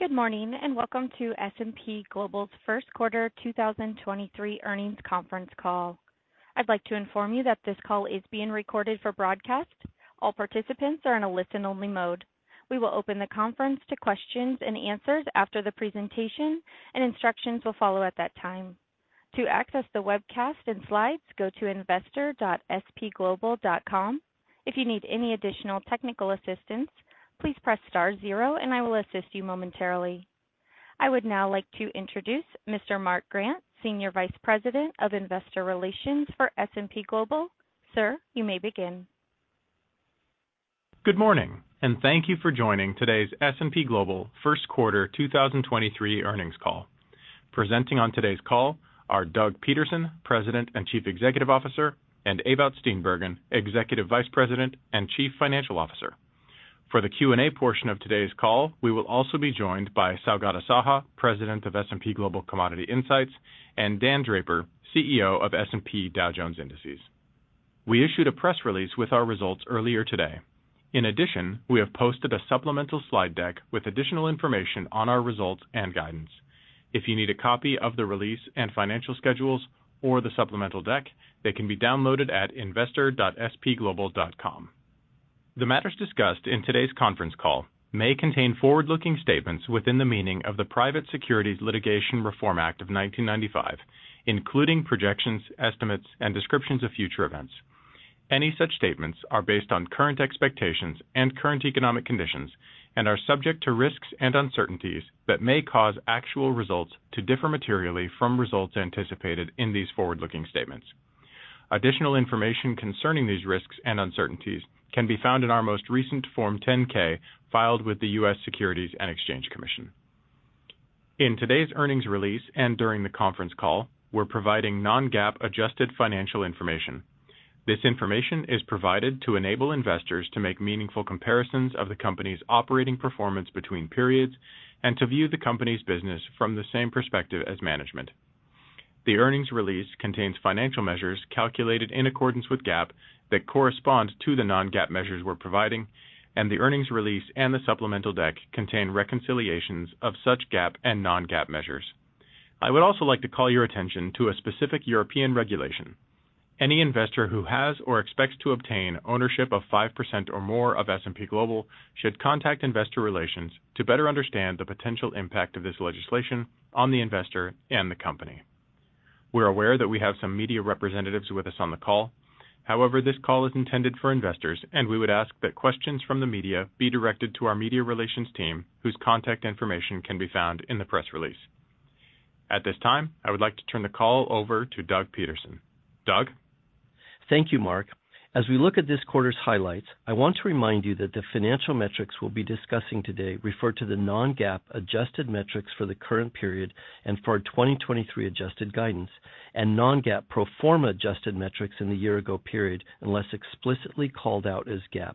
Good morning, welcome to S&P Global's first quarter 2023 earnings conference call. I'd like to inform you that this call is being recorded for broadcast. All participants are in a listen-only mode. We will open the conference to questions and answers after the presentation, and instructions will follow at that time. To access the webcast and slides, go to investor.spglobal.com. If you need any additional technical assistance, please press star zero and I will assist you momentarily. I would now like to introduce Mr. Mark Grant, Senior Vice President of Investor Relations for S&P Global. Sir, you may begin. Good morning, and thank you for joining today's S&P Global first quarter 2023 earnings call. Presenting on today's call are Doug Peterson, President and Chief Executive Officer, and Ewout Steenbergen, Executive Vice President and Chief Financial Officer. For the Q&A portion of today's call, we will also be joined by Saugata Saha, President of S&P Global Commodity Insights, and Dan Draper, CEO of S&P Dow Jones Indices. We issued a press release with our results earlier today. In addition, we have posted a supplemental slide deck with additional information on our results and guidance. If you need a copy of the release and financial schedules or the supplemental deck, they can be downloaded at investor.spglobal.com. The matters discussed in today's conference call may contain forward-looking statements within the meaning of the Private Securities Litigation Reform Act of 1995, including projections, estimates, and descriptions of future events. Any such statements are based on current expectations and current economic conditions and are subject to risks and uncertainties that may cause actual results to differ materially from results anticipated in these forward-looking statements. Additional information concerning these risks and uncertainties can be found in our most recent Form 10-K filed with the US Securities and Exchange Commission. In today's earnings release and during the conference call, we're providing non-GAAP adjusted financial information. This information is provided to enable investors to make meaningful comparisons of the company's operating performance between periods and to view the company's business from the same perspective as management. The earnings release contains financial measures calculated in accordance with GAAP that correspond to the non-GAAP measures we're providing, and the earnings release and the supplemental deck contain reconciliations of such GAAP and non-GAAP measures. I would also like to call your attention to a specific European regulation. Any investor who has or expects to obtain ownership of 5% or more of S&P Global should contact Investor Relations to better understand the potential impact of this legislation on the investor and the company. We're aware that we have some media representatives with us on the call. However, this call is intended for investors, and we would ask that questions from the media be directed to our media relations team, whose contact information can be found in the press release. At this time, I would like to turn the call over to Doug Peterson. Doug? Thank you, Mark. As we look at this quarter's highlights, I want to remind you that the financial metrics we'll be discussing today refer to the non-GAAP adjusted metrics for the current period and for our 2023 adjusted guidance and non-GAAP pro forma adjusted metrics in the year-ago period, unless explicitly called out as GAAP.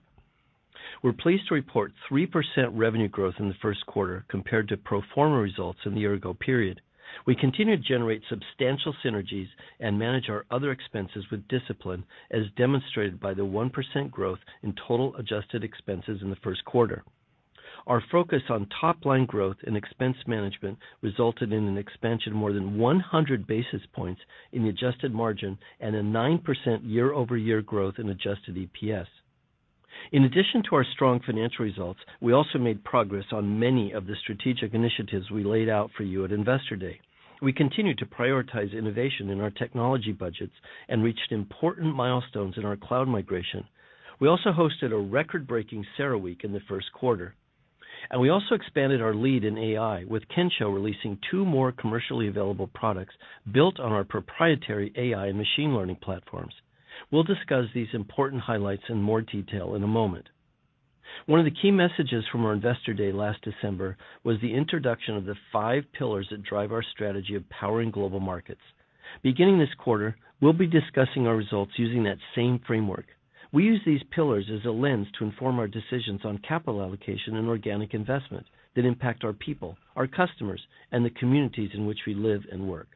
We're pleased to report 3% revenue growth in the first quarter compared to pro forma results in the year-ago period. We continue to generate substantial synergies and manage our other expenses with discipline, as demonstrated by the 1% growth in total adjusted expenses in the first quarter. Our focus on top-line growth and expense management resulted in an expansion more than 100 basis points in the adjusted margin and a 9% year-over-year growth in adjusted EPS. In addition to our strong financial results, we also made progress on many of the strategic initiatives we laid out for you at Investor Day. We continue to prioritize innovation in our technology budgets and reached important milestones in our cloud migration. We also hosted a record-breaking CERAWeek in the first quarter, and we also expanded our lead in AI, with Kensho releasing two more commercially available products built on our proprietary AI and machine learning platforms. We'll discuss these important highlights in more detail in a moment. One of the key messages from our Investor Day last December was the introduction of the five pillars that drive our strategy of Powering Global Markets. Beginning this quarter, we'll be discussing our results using that same framework. We use these pillars as a lens to inform our decisions on capital allocation and organic investment that impact our people, our customers, and the communities in which we live and work.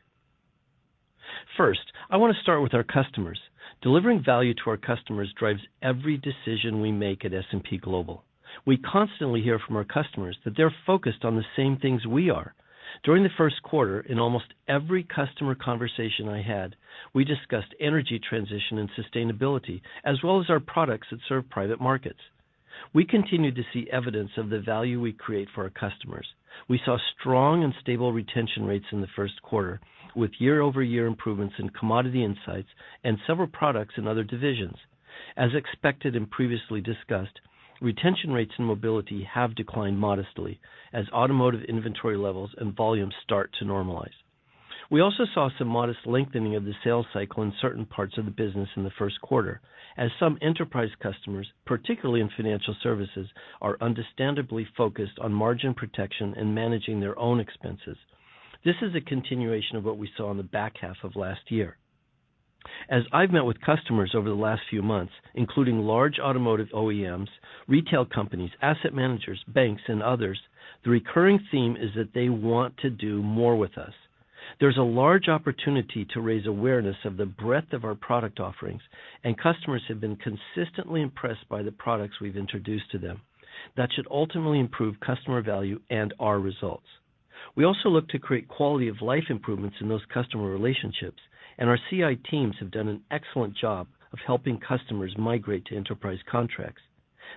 First, I want to start with our customers. Delivering value to our customers drives every decision we make at S&P Global. We constantly hear from our customers that they're focused on the same things we are. During the first quarter, in almost every customer conversation I had, we discussed energy transition and sustainability, as well as our products that serve private markets. We continue to see evidence of the value we create for our customers. We saw strong and stable retention rates in the first quarter, with year-over-year improvements in Commodity Insights and several products in other divisions. As expected and previously discussed, retention rates in Mobility have declined modestly as automotive inventory levels and volumes start to normalize. We also saw some modest lengthening of the sales cycle in certain parts of the business in the first quarter, as some enterprise customers, particularly in financial services, are understandably focused on margin protection and managing their own expenses. This is a continuation of what we saw in the back half of last year. As I've met with customers over the last few months, including large automotive OEMs, retail companies, asset managers, banks and others, the recurring theme is that they want to do more with us. There's a large opportunity to raise awareness of the breadth of our product offerings, and customers have been consistently impressed by the products we've introduced to them that should ultimately improve customer value and our results. We also look to create quality of life improvements in those customer relationships, and our CI teams have done an excellent job of helping customers migrate to enterprise contracts.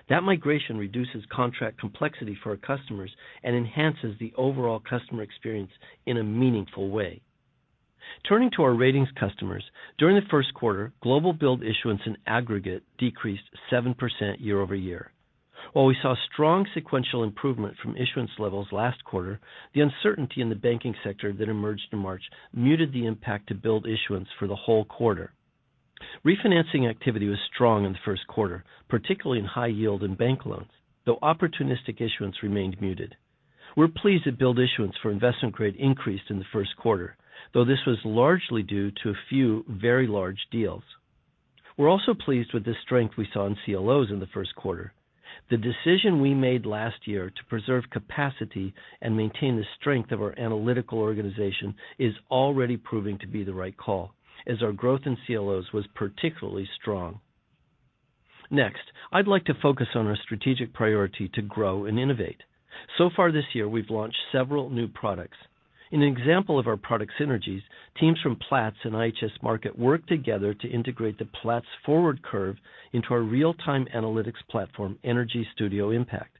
That migration reduces contract complexity for our customers and enhances the overall customer experience in a meaningful way. Turning to our ratings customers, during the first quarter, global billed issuance in aggregate decreased 7% year-over-year. We saw strong sequential improvement from issuance levels last quarter, the uncertainty in the banking sector that emerged in March muted the impact to billed issuance for the whole quarter. Refinancing activity was strong in the first quarter, particularly in high yield and bank loans, though opportunistic issuance remained muted. We're pleased that billed issuance for investment grade increased in the first quarter, though this was largely due to a few very large deals. We're also pleased with the strength we saw in CLOs in the first quarter. The decision we made last year to preserve capacity and maintain the strength of our analytical organization is already proving to be the right call, as our growth in CLOs was particularly strong. I'd like to focus on our strategic priority to grow and innovate. Far this year, we've launched several new products. In an example of our product synergies, teams from Platts and IHS Markit worked together to integrate the Platts forward curve into our real-time analytics platform, Energy Studio Impact.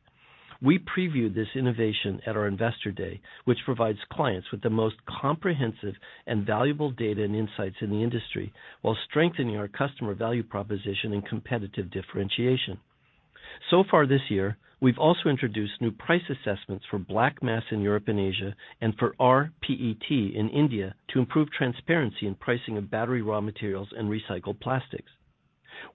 We previewed this innovation at our Investor Day, which provides clients with the most comprehensive and valuable data and insights in the industry while strengthening our customer value proposition and competitive differentiation. Far this year, we've also introduced new price assessments for Black Mass in Europe and Asia and for R-PET in India to improve transparency in pricing of battery raw materials and recycled plastics.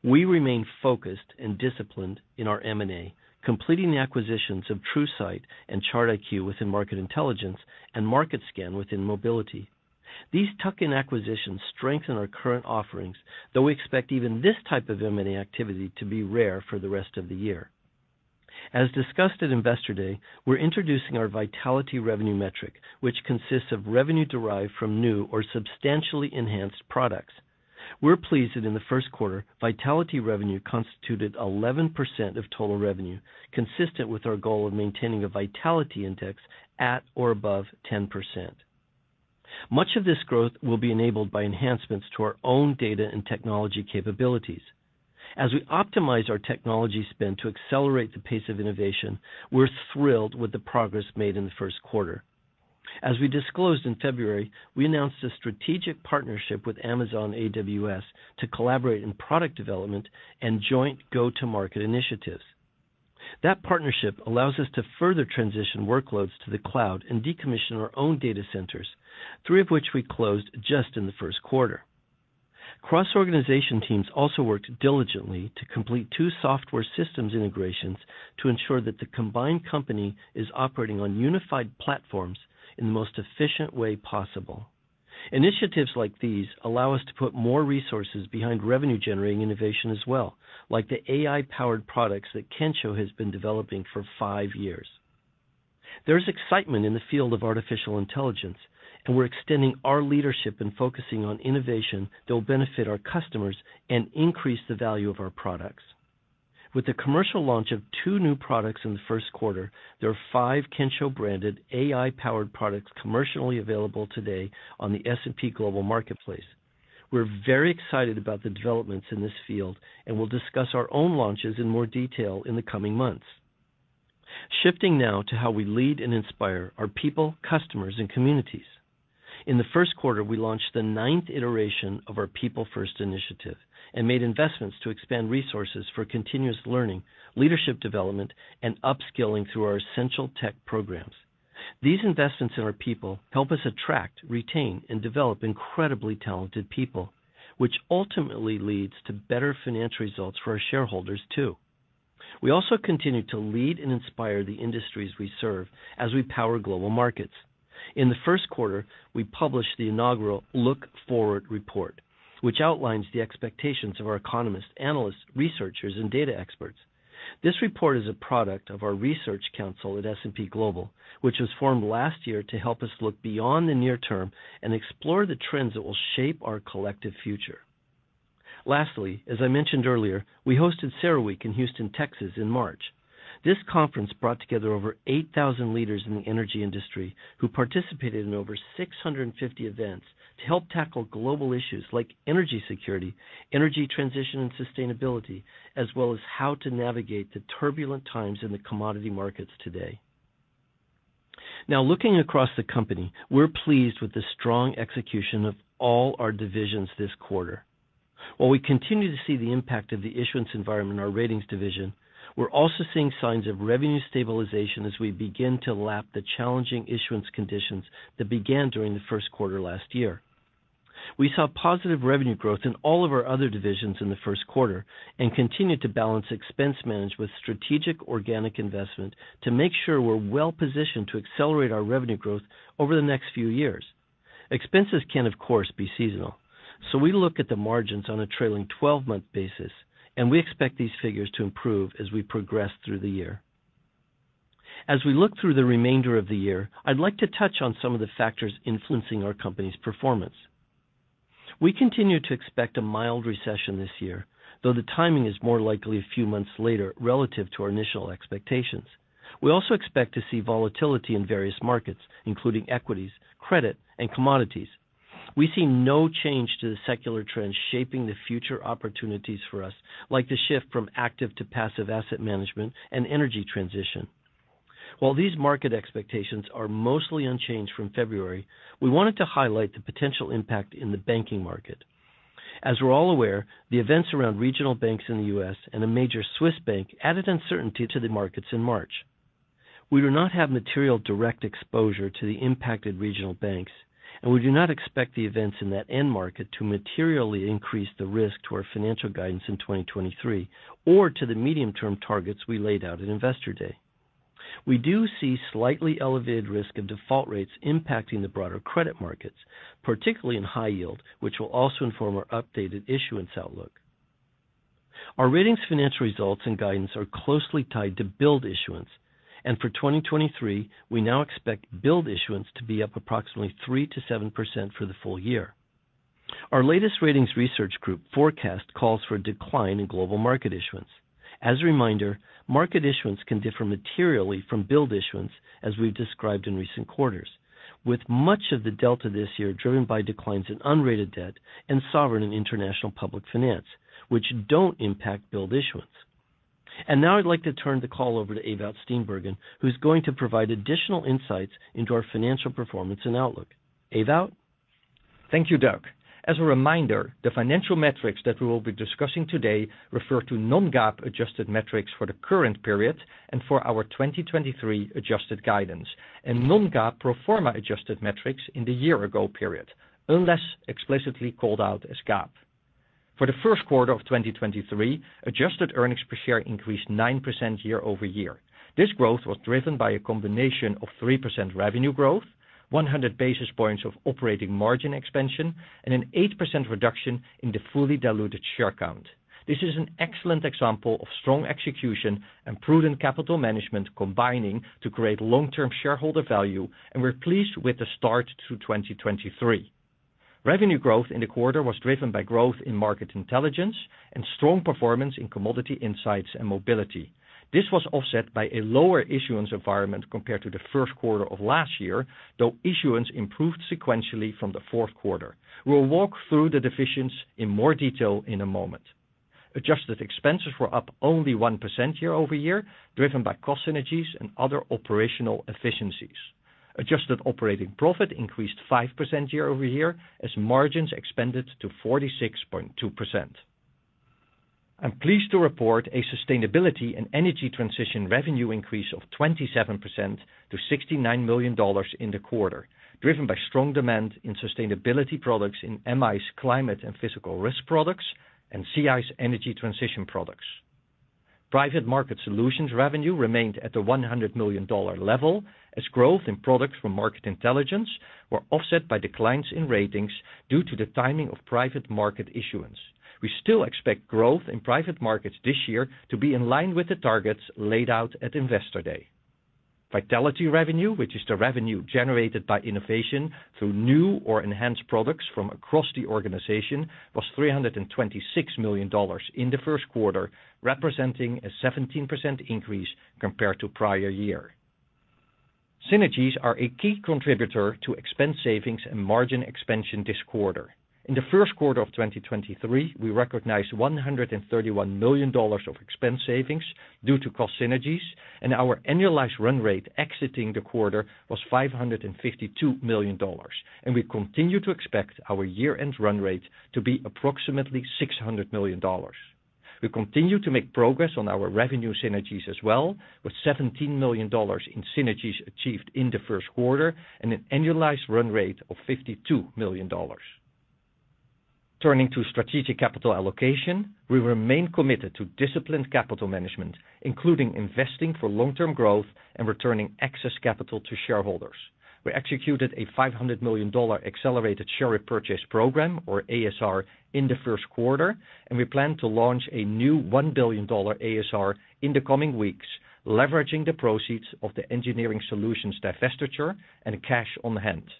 We remain focused and disciplined in our M&A, completing the acquisitions of TruSight and ChartIQ within Market Intelligence and Market Scan within Mobility. These tuck-in acquisitions strengthen our current offerings, though we expect even this type of M&A activity to be rare for the rest of the year. As discussed at Investor Day, we're introducing our Vitality Revenue metric, which consists of revenue derived from new or substantially enhanced products. We're pleased that in the first quarter, Vitality Revenue constituted 11% of total revenue, consistent with our goal of maintaining a Vitality Index at or above 10%. Much of this growth will be enabled by enhancements to our own data and technology capabilities. As we optimize our technology spend to accelerate the pace of innovation, we're thrilled with the progress made in the first quarter. As we disclosed in February, we announced a strategic partnership with Amazon AWS to collaborate in product development and joint go-to-market initiatives. That partnership allows us to further transition workloads to the cloud and decommission our own data centers, three of which we closed just in the first quarter. Cross-organization teams also worked diligently to complete two software systems integrations to ensure that the combined company is operating on unified platforms in the most efficient way possible. Initiatives like these allow us to put more resources behind revenue-generating innovation as well, like the AI-powered products that Kensho has been developing for five years. There is excitement in the field of artificial intelligence, we're extending our leadership and focusing on innovation that will benefit our customers and increase the value of our products. With the commercial launch of two new products in the first quarter, there are five Kensho-branded AI-powered products commercially available today on the S&P Global Marketplace. We're very excited about the developments in this field, we'll discuss our own launches in more detail in the coming months. Shifting now to how we lead and inspire our people, customers, and communities. In the first quarter, we launched the ninth iteration of our People First initiative and made investments to expand resources for continuous learning, leadership development, and upskilling through our Essential Tech programs. These investments in our people help us attract, retain, and develop incredibly talented people, which ultimately leads to better financial results for our shareholders, too. We also continue to lead and inspire the industries we serve as we Powering Global Markets. In the first quarter, we published the inaugural Look Forward report, which outlines the expectations of our economists, analysts, researchers, and data experts. This report is a product of our S&P Global Research Council, which was formed last year to help us look beyond the near term and explore the trends that will shape our collective future. Lastly, as I mentioned earlier, we hosted CERAWeek in Houston, Texas, in March. This conference brought together over 8,000 leaders in the energy industry who participated in over 650 events to help tackle global issues like energy security, energy transition, and sustainability, as well as how to navigate the turbulent times in the commodity markets today. Now, looking across the company, we're pleased with the strong execution of all our divisions this quarter. While we continue to see the impact of the issuance environment in our Ratings division, we're also seeing signs of revenue stabilization as we begin to lap the challenging issuance conditions that began during the first quarter last year. We saw positive revenue growth in all of our other divisions in the first quarter and continued to balance expense manage with strategic organic investment to make sure we're well-positioned to accelerate our revenue growth over the next few years. Expenses can, of course, be seasonal, so we look at the margins on a trailing 12 month basis, and we expect these figures to improve as we progress through the year. As we look through the remainder of the year, I'd like to touch on some of the factors influencing our company's performance. We continue to expect a mild recession this year, though the timing is more likely a few months later relative to our initial expectations. We expect to see volatility in various markets, including equities, credit, and commodities. We see no change to the secular trends shaping the future opportunities for us, like the shift from active to passive asset management and energy transition. While these market expectations are mostly unchanged from February, we wanted to highlight the potential impact in the banking market. As we're all aware, the events around regional banks in the U.S. and a major Swiss bank added uncertainty to the markets in March. We do not have material direct exposure to the impacted regional banks. We do not expect the events in that end market to materially increase the risk to our financial guidance in 2023 or to the medium-term targets we laid out at Investor Day. We do see slightly elevated risk of default rates impacting the broader credit markets, particularly in high yield, which will also inform our updated issuance outlook. Our Ratings financial results and guidance are closely tied to billed issuance, and for 2023, we now expect billed issuance to be up approximately 3%-7% for the full-year. Our latest Ratings Research Group forecast calls for a decline in global market issuance. As a reminder, market issuance can differ materially from billed issuance as we've described in recent quarters. With much of the delta this year driven by declines in unrated debt and sovereign and international public finance, which don't impact billed issuance. Now I'd like to turn the call over to Ewout Steenbergen, who's going to provide additional insights into our financial performance and outlook. Ewout. Thank you, Doug. As a reminder, the financial metrics that we will be discussing today refer to non-GAAP adjusted metrics for the current period and for our 2023 adjusted guidance and non-GAAP pro forma adjusted metrics in the year-ago period, unless explicitly called out as GAAP. For the first quarter of 2023, adjusted earnings per share increased 9% year-over-year. This growth was driven by a combination of 3% revenue growth, 100 basis points of operating margin expansion, and an 8% reduction in the fully diluted share count. This is an excellent example of strong execution and prudent capital management combining to create long-term shareholder value. We're pleased with the start to 2023. Revenue growth in the quarter was driven by growth in Market Intelligence and strong performance in Commodity Insights and Mobility. This was offset by a lower issuance environment compared to the first quarter of last year, though issuance improved sequentially from the fourth quarter. We'll walk through the divisions in more detail in a moment. Adjusted expenses were up only 1% year-over-year, driven by cost synergies and other operational efficiencies. Adjusted operating profit increased 5% year-over-year as margins expanded to 46.2%. I'm pleased to report a sustainability and energy transition revenue increase of 27% to $69 million in the quarter, driven by strong demand in sustainability products in MI's climate and physical risk products and CI's energy transition products. Private market solutions revenue remained at the $100 million level as growth in products from Market Intelligence were offset by declines in ratings due to the timing of private market issuance. We still expect growth in private markets this year to be in line with the targets laid out at Investor Day. Vitality Revenue, which is the revenue generated by innovation through new or enhanced products from across the organization, was $326 million in the first quarter, representing a 17% increase compared to prior year. Synergies are a key contributor to expense savings and margin expansion this quarter. In the first quarter of 2023, we recognized $131 million of expense savings due to cost synergies, and our annualized run rate exiting the quarter was $552 million, and we continue to expect our year-end run rate to be approximately $600 million. We continue to make progress on our revenue synergies as well, with $17 million in synergies achieved in the first quarter and an annualized run rate of $52 million. Turning to strategic capital allocation. We remain committed to disciplined capital management, including investing for long-term growth and returning excess capital to shareholders. We executed a $500 million accelerated share repurchase program, or ASR, in the first quarter, and we plan to launch a new $1 billion ASR in the coming weeks, leveraging the proceeds of the Engineering Solutions divestiture and cash on hand.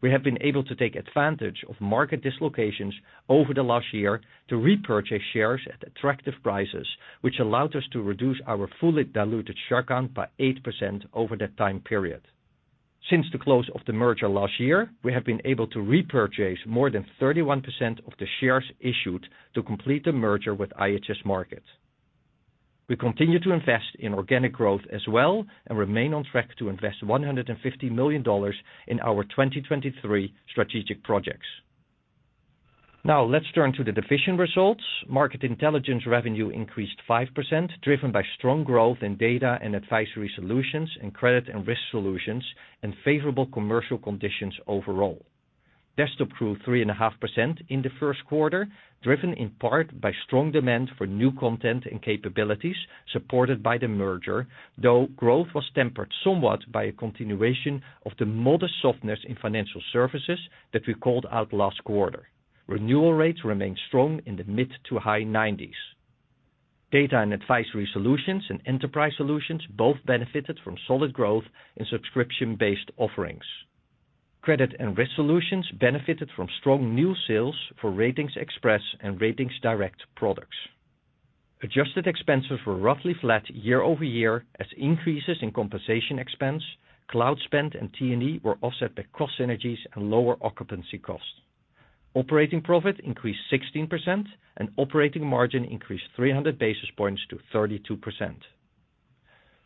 We have been able to take advantage of market dislocations over the last year to repurchase shares at attractive prices, which allowed us to reduce our fully diluted share count by 8% over that time period. Since the close of the merger last year, we have been able to repurchase more than 31% of the shares issued to complete the merger with IHS Markit. We continue to invest in organic growth as well and remain on track to invest $150 million in our 2023 strategic projects. Let's turn to the division results. Market Intelligence revenue increased 5%, driven by strong growth in data and advisory solutions and credit and risk solutions and favorable commercial conditions overall. Desktop grew 3.5% in the first quarter, driven in part by strong demand for new content and capabilities supported by the merger, though growth was tempered somewhat by a continuation of the modest softness in financial services that we called out last quarter. Renewal rates remain strong in the mid to high 90s. Data and advisory solutions and enterprise solutions both benefited from solid growth in subscription-based offerings. Credit and risk solutions benefited from strong new sales for RatingsXpress and RatingsDirect products. Adjusted expenses were roughly flat year-over-year as increases in compensation expense, cloud spend and T&E were offset by cost synergies and lower occupancy costs. Operating profit increased 16% and operating margin increased 300 basis points to 32%.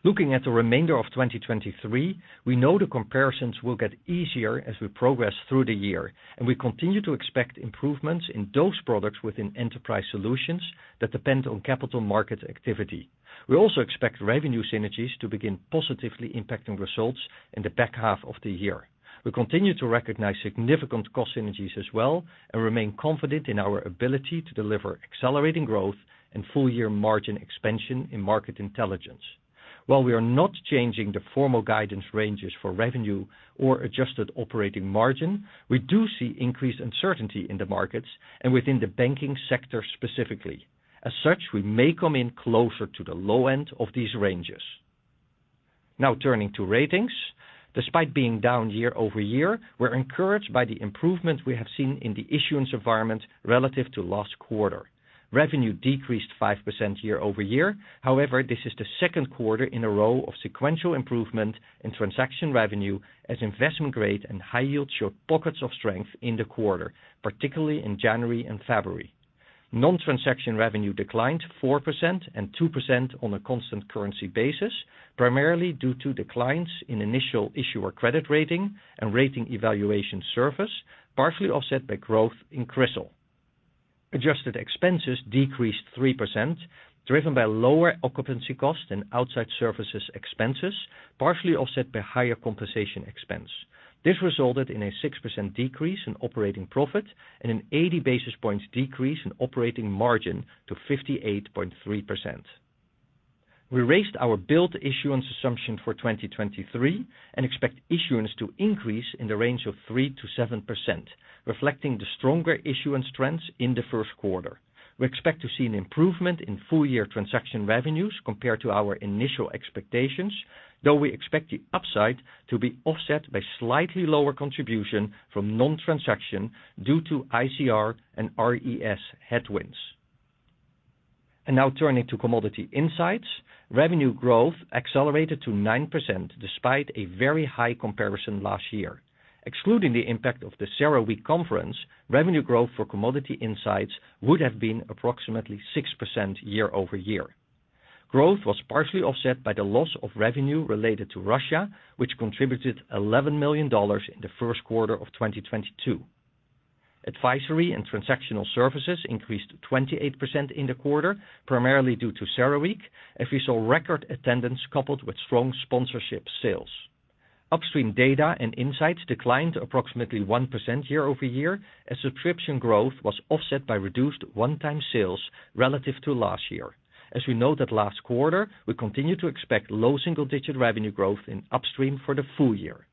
Looking at the remainder of 2023, we know the comparisons will get easier as we progress through the year, and we continue to expect improvements in those products within enterprise solutions that depend on capital market activity. We also expect revenue synergies to begin positively impacting results in the back half of the year. We continue to recognize significant cost synergies as well and remain confident in our ability to deliver accelerating growth and full-year margin expansion in Market Intelligence. While we are not changing the formal guidance ranges for revenue or adjusted operating margin, we do see increased uncertainty in the markets and within the banking sector specifically. As such, we may come in closer to the low end of these ranges. Now turning to Ratings. Despite being down year-over-year, we're encouraged by the improvement we have seen in the issuance environment relative to last quarter. Revenue decreased 5% year-over-year. However, this is the second quarter in a row of sequential improvement in transaction revenue as investment grade and high yield showed pockets of strength in the quarter, particularly in January and February. Non-transaction revenue declined 4% and 2% on a constant currency basis, primarily due to declines in initial issuer credit rating and Rating Evaluation Service, partially offset by growth in Crystal. Adjusted expenses decreased 3%, driven by lower occupancy costs and outside services expenses, partially offset by higher compensation expense. This resulted in a 6% decrease in operating profit and an 80 basis points decrease in operating margin to 58.3%. We raised our billed issuance assumption for 2023 and expect issuance to increase in the range of 3%-7%, reflecting the stronger issuance trends in the first quarter. We expect to see an improvement in full-year transaction revenues compared to our initial expectations, though we expect the upside to be offset by slightly lower contribution from non-transaction due to ICR and RES headwinds. Now turning to commodity insights. Revenue growth accelerated to 9% despite a very high comparison last year. Excluding the impact of the CERAWeek conference, revenue growth for commodity insights would have been approximately 6% year-over-year. Growth was partially offset by the loss of revenue related to Russia, which contributed $11 million in the first quarter of 2022. Advisory and transactional services increased 28% in the quarter, primarily due to CERAWeek, as we saw record attendance coupled with strong sponsorship sales. Upstream data and insights declined approximately 1% year-over-year as subscription growth was offset by reduced one-time sales relative to last year. As we noted last quarter, we continue to expect low single-digit revenue growth in upstream for the full-year.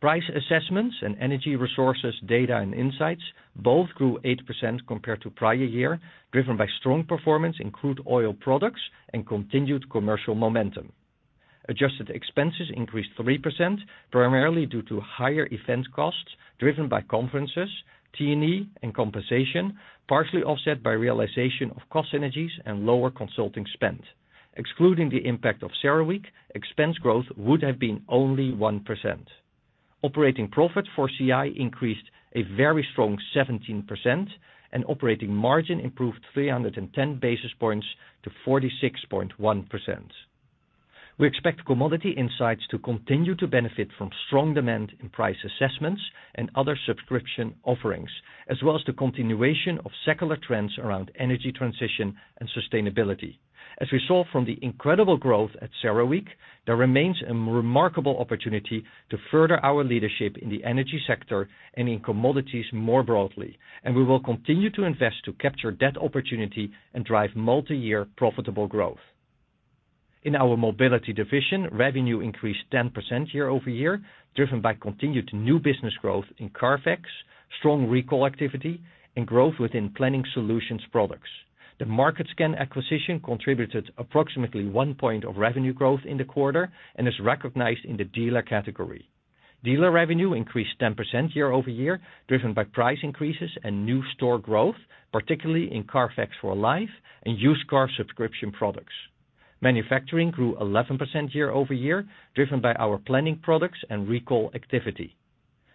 Price assessments and energy resources, data and insights both grew 8% compared to prior year, driven by strong performance in crude oil products and continued commercial momentum. Adjusted expenses increased 3% primarily due to higher event costs driven by conferences, T&E and compensation, partially offset by realization of cost synergies and lower consulting spend. Excluding the impact of CERAWeek, expense growth would have been only 1%. Operating profit for CI increased a very strong 17% and operating margin improved 310 basis points to 46.1%. We expect commodity insights to continue to benefit from strong demand in price assessments and other subscription offerings, as well as the continuation of secular trends around energy transition and sustainability. As we saw from the incredible growth at CERAWeek, there remains a remarkable opportunity to further our leadership in the energy sector and in commodities more broadly, we will continue to invest to capture that opportunity and drive multi-year profitable growth. In our mobility division, revenue increased 10% year-over-year, driven by continued new business growth in CARFAX, strong recall activity and growth within planning solutions products. The MarketScan acquisition contributed approximately one point of revenue growth in the quarter and is recognized in the dealer category. Dealer revenue increased 10% year-over-year, driven by price increases and new store growth, particularly in CARFAX for Life and used car subscription products. Manufacturing grew 11% year-over-year, driven by our planning products and recall activity.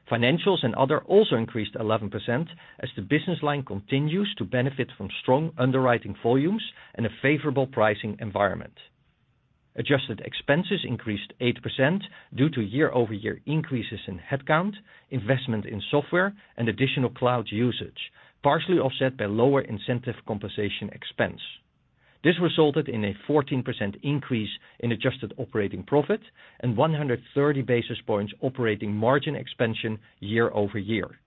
Financials and other also increased 11% as the business line continues to benefit from strong underwriting volumes and a favorable pricing environment. Adjusted expenses increased 8% due to year-over-year increases in headcount, investment in software and additional cloud usage, partially offset by lower incentive compensation expense. This resulted in a 14% increase in adjusted operating profit and 130 basis points operating margin expansion year-over-year.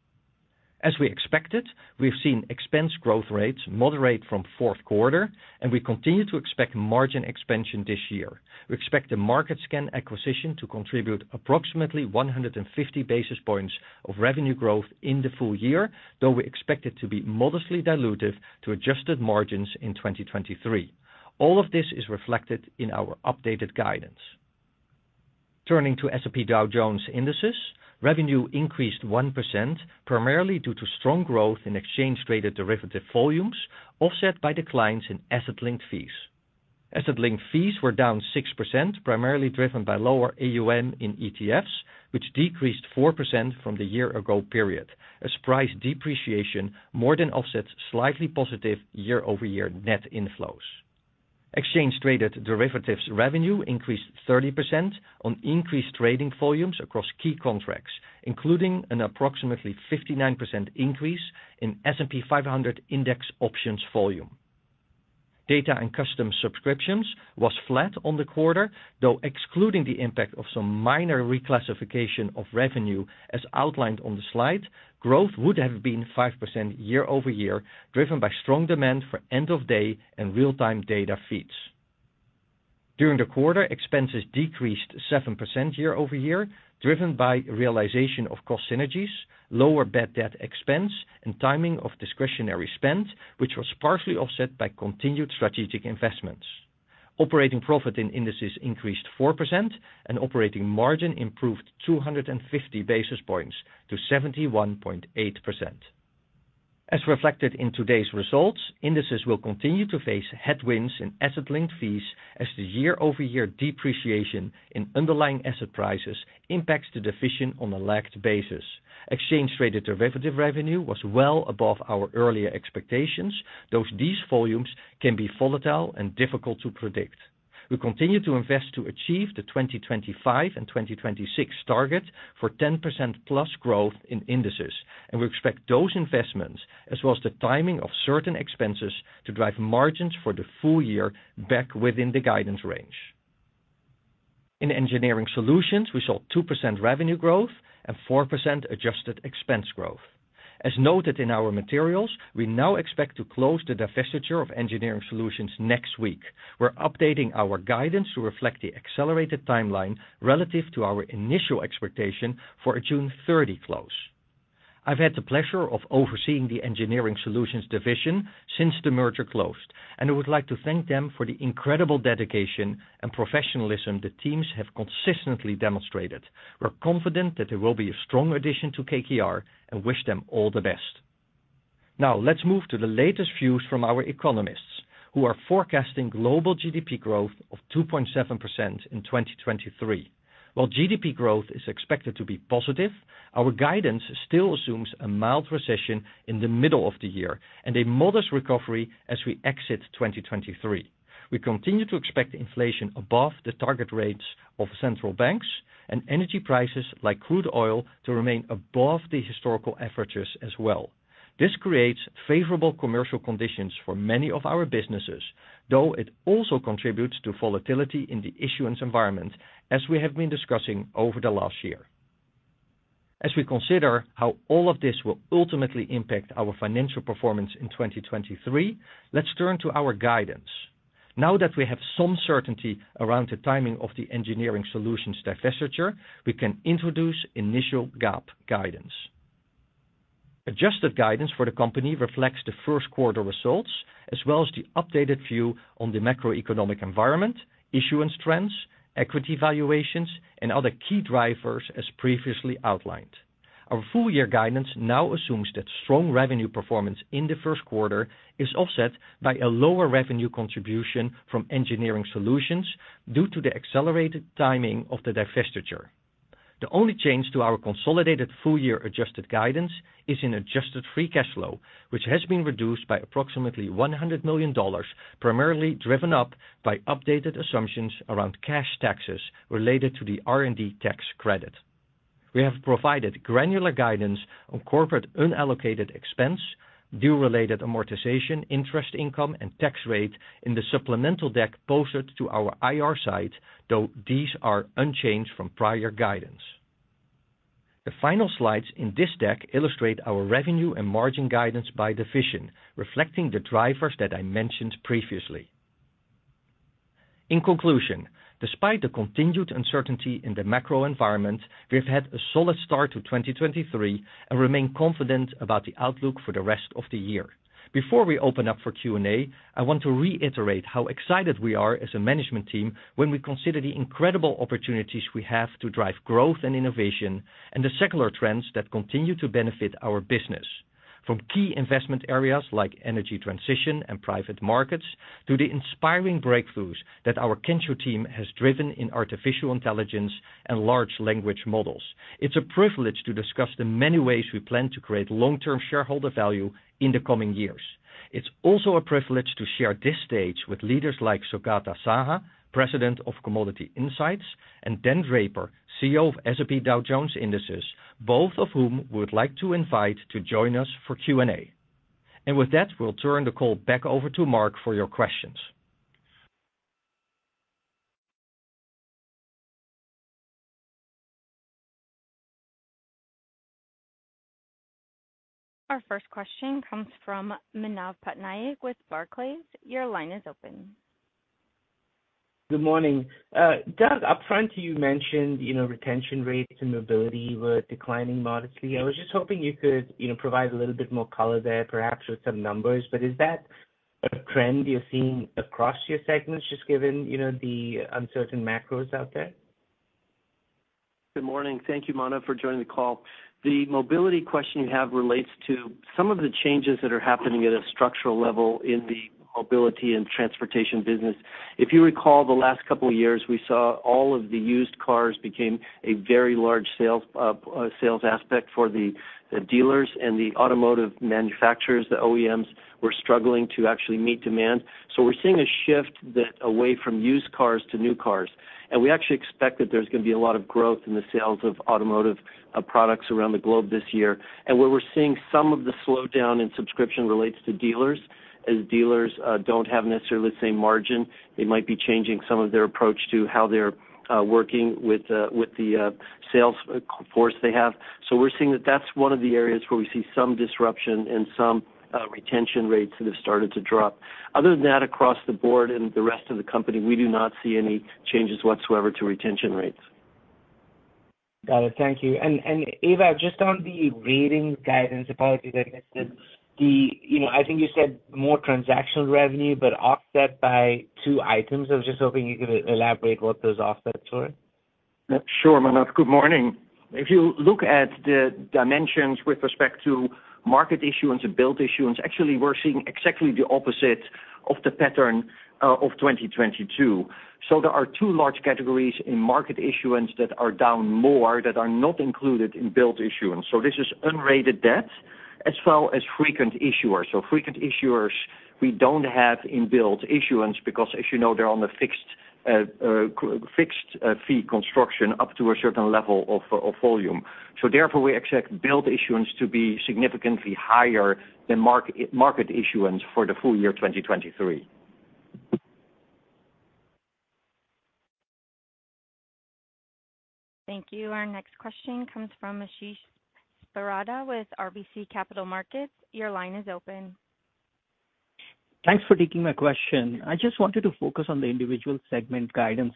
As we expected, we've seen expense growth rates moderate from fourth quarter and we continue to expect margin expansion this year. We expect the Market Scan acquisition to contribute approximately 150 basis points of revenue growth in the full-year, though we expect it to be modestly dilutive to adjusted margins in 2023. All of this is reflected in our updated guidance. Turning to S&P Dow Jones Indices, revenue increased 1%, primarily due to strong growth in exchange-traded derivative volumes, offset by declines in asset-linked fees. Asset-linked fees were down 6%, primarily driven by lower AUM in ETFs, which decreased 4% from the year-ago period, as price depreciation more than offset slightly positive year-over-year net inflows. Exchange-traded derivatives revenue increased 30% on increased trading volumes across key contracts, including an approximately 59% increase in S&P 500 index options volume. Data and custom subscriptions was flat on the quarter, though excluding the impact of some minor reclassification of revenue as outlined on the slide, growth would have been 5% year-over-year, driven by strong demand for end-of-day and real-time data feeds. During the quarter, expenses decreased 7% year-over-year, driven by realization of cost synergies, lower bad debt expense, and timing of discretionary spend, which was partially offset by continued strategic investments. Operating profit in Indices increased 4%, and operating margin improved 250 basis points to 71.8%. As reflected in today's results, Indices will continue to face headwinds in asset-linked fees as the year-over-year depreciation in underlying asset prices impacts the division on a lagged basis. Exchange-traded derivative revenue was well above our earlier expectations, though these volumes can be volatile and difficult to predict. We continue to invest to achieve the 2025 and 2026 targets for 10%+ growth in Indices, and we expect those investments, as well as the timing of certain expenses, to drive margins for the full-year back within the guidance range. In Engineering Solutions, we saw 2% revenue growth and 4% adjusted expense growth. As noted in our materials, we now expect to close the divestiture of Engineering Solutions next week. We're updating our guidance to reflect the accelerated timeline relative to our initial expectation for a June 30 close. I've had the pleasure of overseeing the Engineering Solutions division since the merger closed, and I would like to thank them for the incredible dedication and professionalism the teams have consistently demonstrated. We're confident that they will be a strong addition to KKR and wish them all the best. Now let's move to the latest views from our economists, who are forecasting global GDP growth of 2.7% in 2023. While GDP growth is expected to be positive, our guidance still assumes a mild recession in the middle of the year and a modest recovery as we exit 2023. We continue to expect inflation above the target rates of central banks and energy prices, like crude oil, to remain above the historical averages as well. This creates favorable commercial conditions for many of our businesses, though it also contributes to volatility in the issuance environment, as we have been discussing over the last year. As we consider how all of this will ultimately impact our financial performance in 2023, let's turn to our guidance. Now that we have some certainty around the timing of the Engineering Solutions divestiture, we can introduce initial GAAP guidance. Adjusted guidance for the company reflects the first quarter results as well as the updated view on the macroeconomic environment, issuance trends, equity valuations, and other key drivers as previously outlined. Our full-year guidance now assumes that strong revenue performance in the first quarter is offset by a lower revenue contribution from Engineering Solutions due to the accelerated timing of the divestiture. The only change to our consolidated full-year adjusted guidance is in adjusted free cash flow, which has been reduced by approximately $100 million, primarily driven up by updated assumptions around cash taxes related to the R&D tax credit. We have provided granular guidance on corporate unallocated expense, deal-related amortization, interest income, and tax rate in the supplemental deck posted to our IR site, though these are unchanged from prior guidance. The final slides in this deck illustrate our revenue and margin guidance by division, reflecting the drivers that I mentioned previously. In conclusion, despite the continued uncertainty in the macro environment, we've had a solid start to 2023 and remain confident about the outlook for the rest of the year. Before we open up for Q&A, I want to reiterate how excited we are as a management team when we consider the incredible opportunities we have to drive growth and innovation and the secular trends that continue to benefit our business. From key investment areas like energy transition and private markets to the inspiring breakthroughs that our Kensho team has driven in artificial intelligence and large language models. It's a privilege to discuss the many ways we plan to create long-term shareholder value in the coming years. It's also a privilege to share this stage with leaders like Saugata Saha, President of Commodity Insights, and Dan Draper, CEO of S&P Dow Jones Indices, both of whom we would like to invite to join us for Q&A. With that, we'll turn the call back over to Mark for your questions. Our first question comes from Manav Patnaik with Barclays. Your line is open. Good morning. Doug, upfront, you mentioned, you know, retention rates and Mobility were declining modestly. I was just hoping you could, you know, provide a little bit more color there, perhaps with some numbers. Is that a trend you're seeing across your segments, just given, you know, the uncertain macros out there? Good morning. Thank you, Manav, for joining the call. The mobility question you have relates to some of the changes that are happening at a structural level in the mobility and transportation business. If you recall, the last couple of years, we saw all of the used cars became a very large sales sales aspect for the dealers and the automotive manufacturers. The OEMs were struggling to actually meet demand. We're seeing a shift that away from used cars to new cars. We actually expect that there's gonna be a lot of growth in the sales of automotive products around the globe this year. Where we're seeing some of the slowdown in subscription relates to dealers, as dealers don't have necessarily the same margin. They might be changing some of their approach to how they're working with the sales force they have. We're seeing that that's one of the areas where we see some disruption and some retention rates that have started to drop. Other than that, across the board and the rest of the company, we do not see any changes whatsoever to retention rates. Got it. Thank you. Ewout, just on the Ratings guidance, apologies I missed this. You know, I think you said more transactional revenue, offset by two items. I was just hoping you could elaborate what those offsets were. Sure, Manav. Good morning. If you look at the dimensions with respect to market issuance and billed issuance, actually, we're seeing exactly the opposite of the pattern of 2022. There are two large categories in market issuance that are down more that are not included in billed issuance. This is unrated debt as well as frequent issuers. Frequent issuers, we don't have in billed issuance because, as you know, they're on a fixed fixed fee construction up to a certain level of volume. Therefore, we expect billed issuance to be significantly higher than mark-market issuance for the full-year 2023. Thank you. Our next question comes from Ashish Sabadra with RBC Capital Markets. Your line is open. Thanks for taking my question. I just wanted to focus on the individual segment guidance.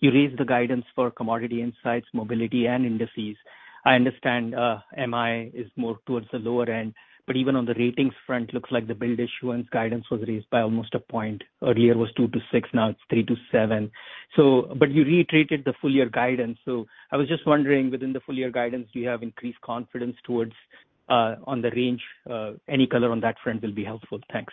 You raised the guidance for Commodity Insights, Mobility, and Indices. I understand, MI is more towards the lower end, but even on the Ratings front, looks like the billed issuance guidance was raised by almost a point. Earlier was 2%-6%, now it's 3%-7%. But you retreated the full-year guidance. I was just wondering, within the full-year guidance, do you have increased confidence towards on the range? Any color on that front will be helpful. Thanks.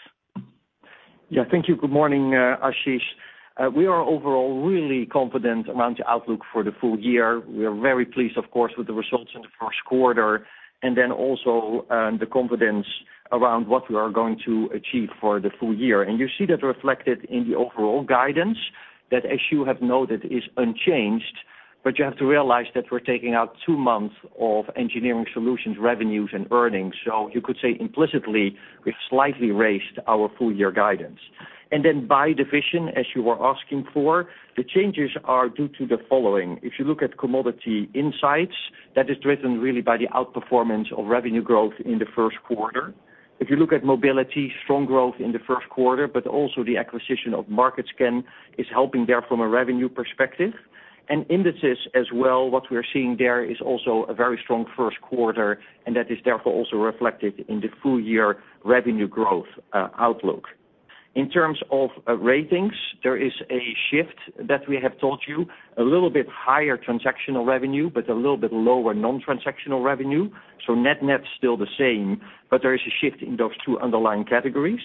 Yeah, thank you. Good morning, Ashish. We are overall really confident around the outlook for the full-year. We are very pleased, of course, with the results in the first quarter and then also the confidence around what we are going to achieve for the full-year. You see that reflected in the overall guidance that, as you have noted, is unchanged. You have to realize that we're taking out two months of Engineering Solutions, revenues and earnings. You could say implicitly, we've slightly raised our full-year guidance. By division, as you were asking for, the changes are due to the following. If you look at Commodity Insights, that is driven really by the outperformance of revenue growth in the first quarter. If you look at mobility, strong growth in the first quarter, also the acquisition of Market Scan is helping there from a revenue perspective. Indices as well, what we are seeing there is also a very strong first quarter, and that is therefore also reflected in the full-year revenue growth outlook. In terms of ratings, there is a shift that we have told you, a little bit higher transactional revenue, but a little bit lower non-transactional revenue. Net-net, still the same, but there is a shift in those two underlying categories.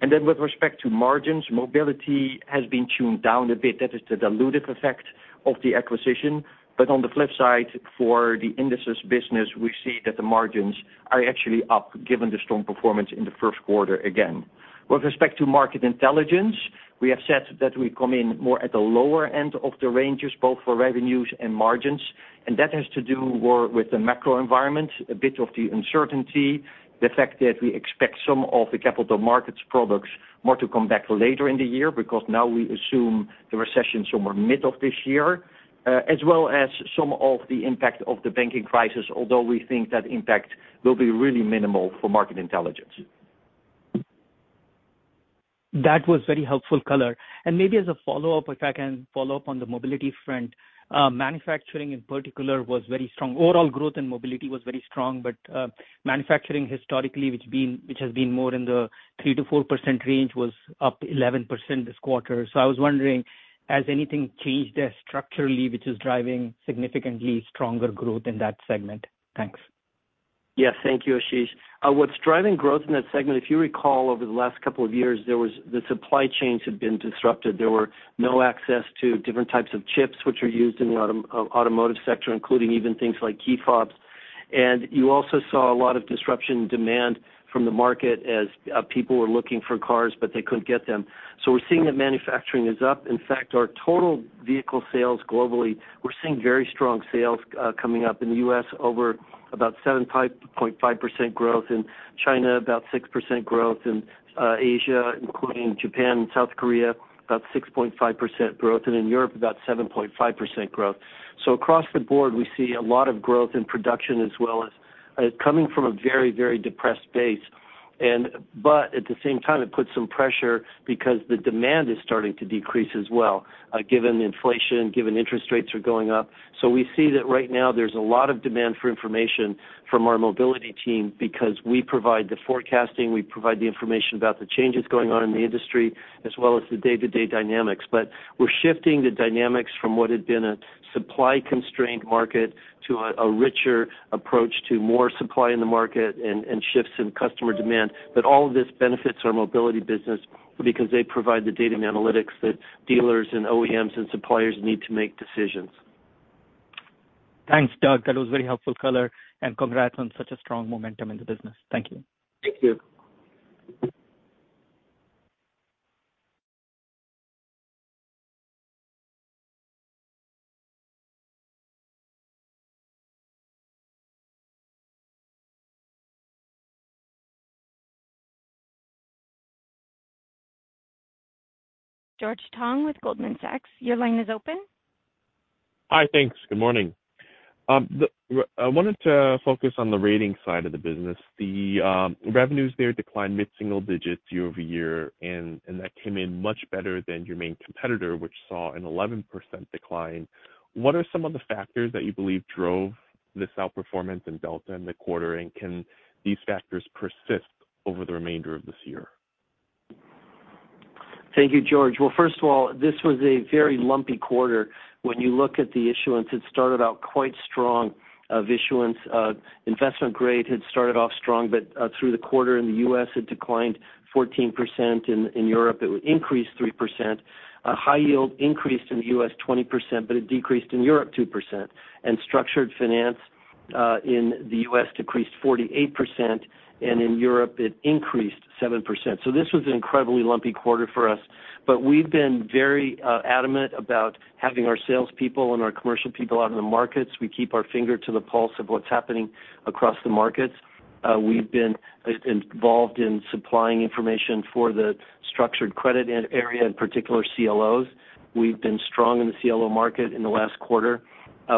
With respect to margins, mobility has been tuned down a bit. That is the dilutive effect of the acquisition. On the flip side, for the indices business, we see that the margins are actually up given the strong performance in the first quarter again. With respect to Market Intelligence, we have said that we come in more at the lower end of the ranges, both for revenues and margins. That has to do more with the macro environment, a bit of the uncertainty, the fact that we expect some of the capital markets products more to come back later in the year because now we assume the recession is somewhere mid of this year, as well as some of the impact of the banking crisis, although we think that impact will be really minimal for Market Intelligence. That was very helpful color. Maybe as a follow-up, if I can follow up on the mobility front. Manufacturing in particular was very strong. Overall growth in mobility was very strong, but manufacturing historically, which has been more in the 3%-4% range, was up 11% this quarter. I was wondering, has anything changed there structurally, which is driving significantly stronger growth in that segment? Thanks. Yes. Thank you, Ashish. What's driving growth in that segment, if you recall over the last couple of years, there was the supply chains had been disrupted. There were no access to different types of chips which are used in the automotive sector, including even things like key fobs. You also saw a lot of disruption in demand from the market as people were looking for cars, but they couldn't get them. We're seeing that manufacturing is up. In fact, our total vehicle sales globally, we're seeing very strong sales coming up in the U.S. over about 7.5% growth. In China, about 6% growth. In Asia, including Japan and South Korea, about 6.5% growth. In Europe, about 7.5% growth. Across the board, we see a lot of growth in production as well as coming from a very, very depressed base. But at the same time, it puts some pressure because the demand is starting to decrease as well, given inflation, given interest rates are going up. We see that right now there's a lot of demand for information from our Mobility team because we provide the forecasting, we provide the information about the changes going on in the industry, as well as the day-to-day dynamics. We're shifting the dynamics from what had been a supply-constrained market to a richer approach to more supply in the market and shifts in customer demand. All of this benefits our Mobility business because they provide the data and analytics that dealers and OEMs and suppliers need to make decisions. Thanks, Doug. That was very helpful color. Congrats on such a strong momentum in the business. Thank you. Thank you. George Tong with Goldman Sachs, your line is open. Hi. Thanks. Good morning. I wanted to focus on the Ratings side of the business. The revenues there declined mid-single digits year-over-year, and that came in much better than your main competitor, which saw an 11% decline. What are some of the factors that you believe drove this outperformance in Delta in the quarter, and can these factors persist over the remainder of this year? Thank you, George. Well, first of all, this was a very lumpy quarter. When you look at the issuance, it started out quite strong of issuance. Investment grade had started off strong, but through the quarter in the U.S., it declined 14%. In Europe, it increased 3%. High yield increased in the U.S. 20%, but it decreased in Europe 2%. Structured finance in the U.S. decreased 48%, and in Europe it increased 7%. This was an incredibly lumpy quarter for us, but we've been very adamant about having our salespeople and our commercial people out in the markets. We keep our finger to the pulse of what's happening across the markets. We've been involved in supplying information for the structured credit area, in particular CLOs. We've been strong in the CLO market in the last quarter.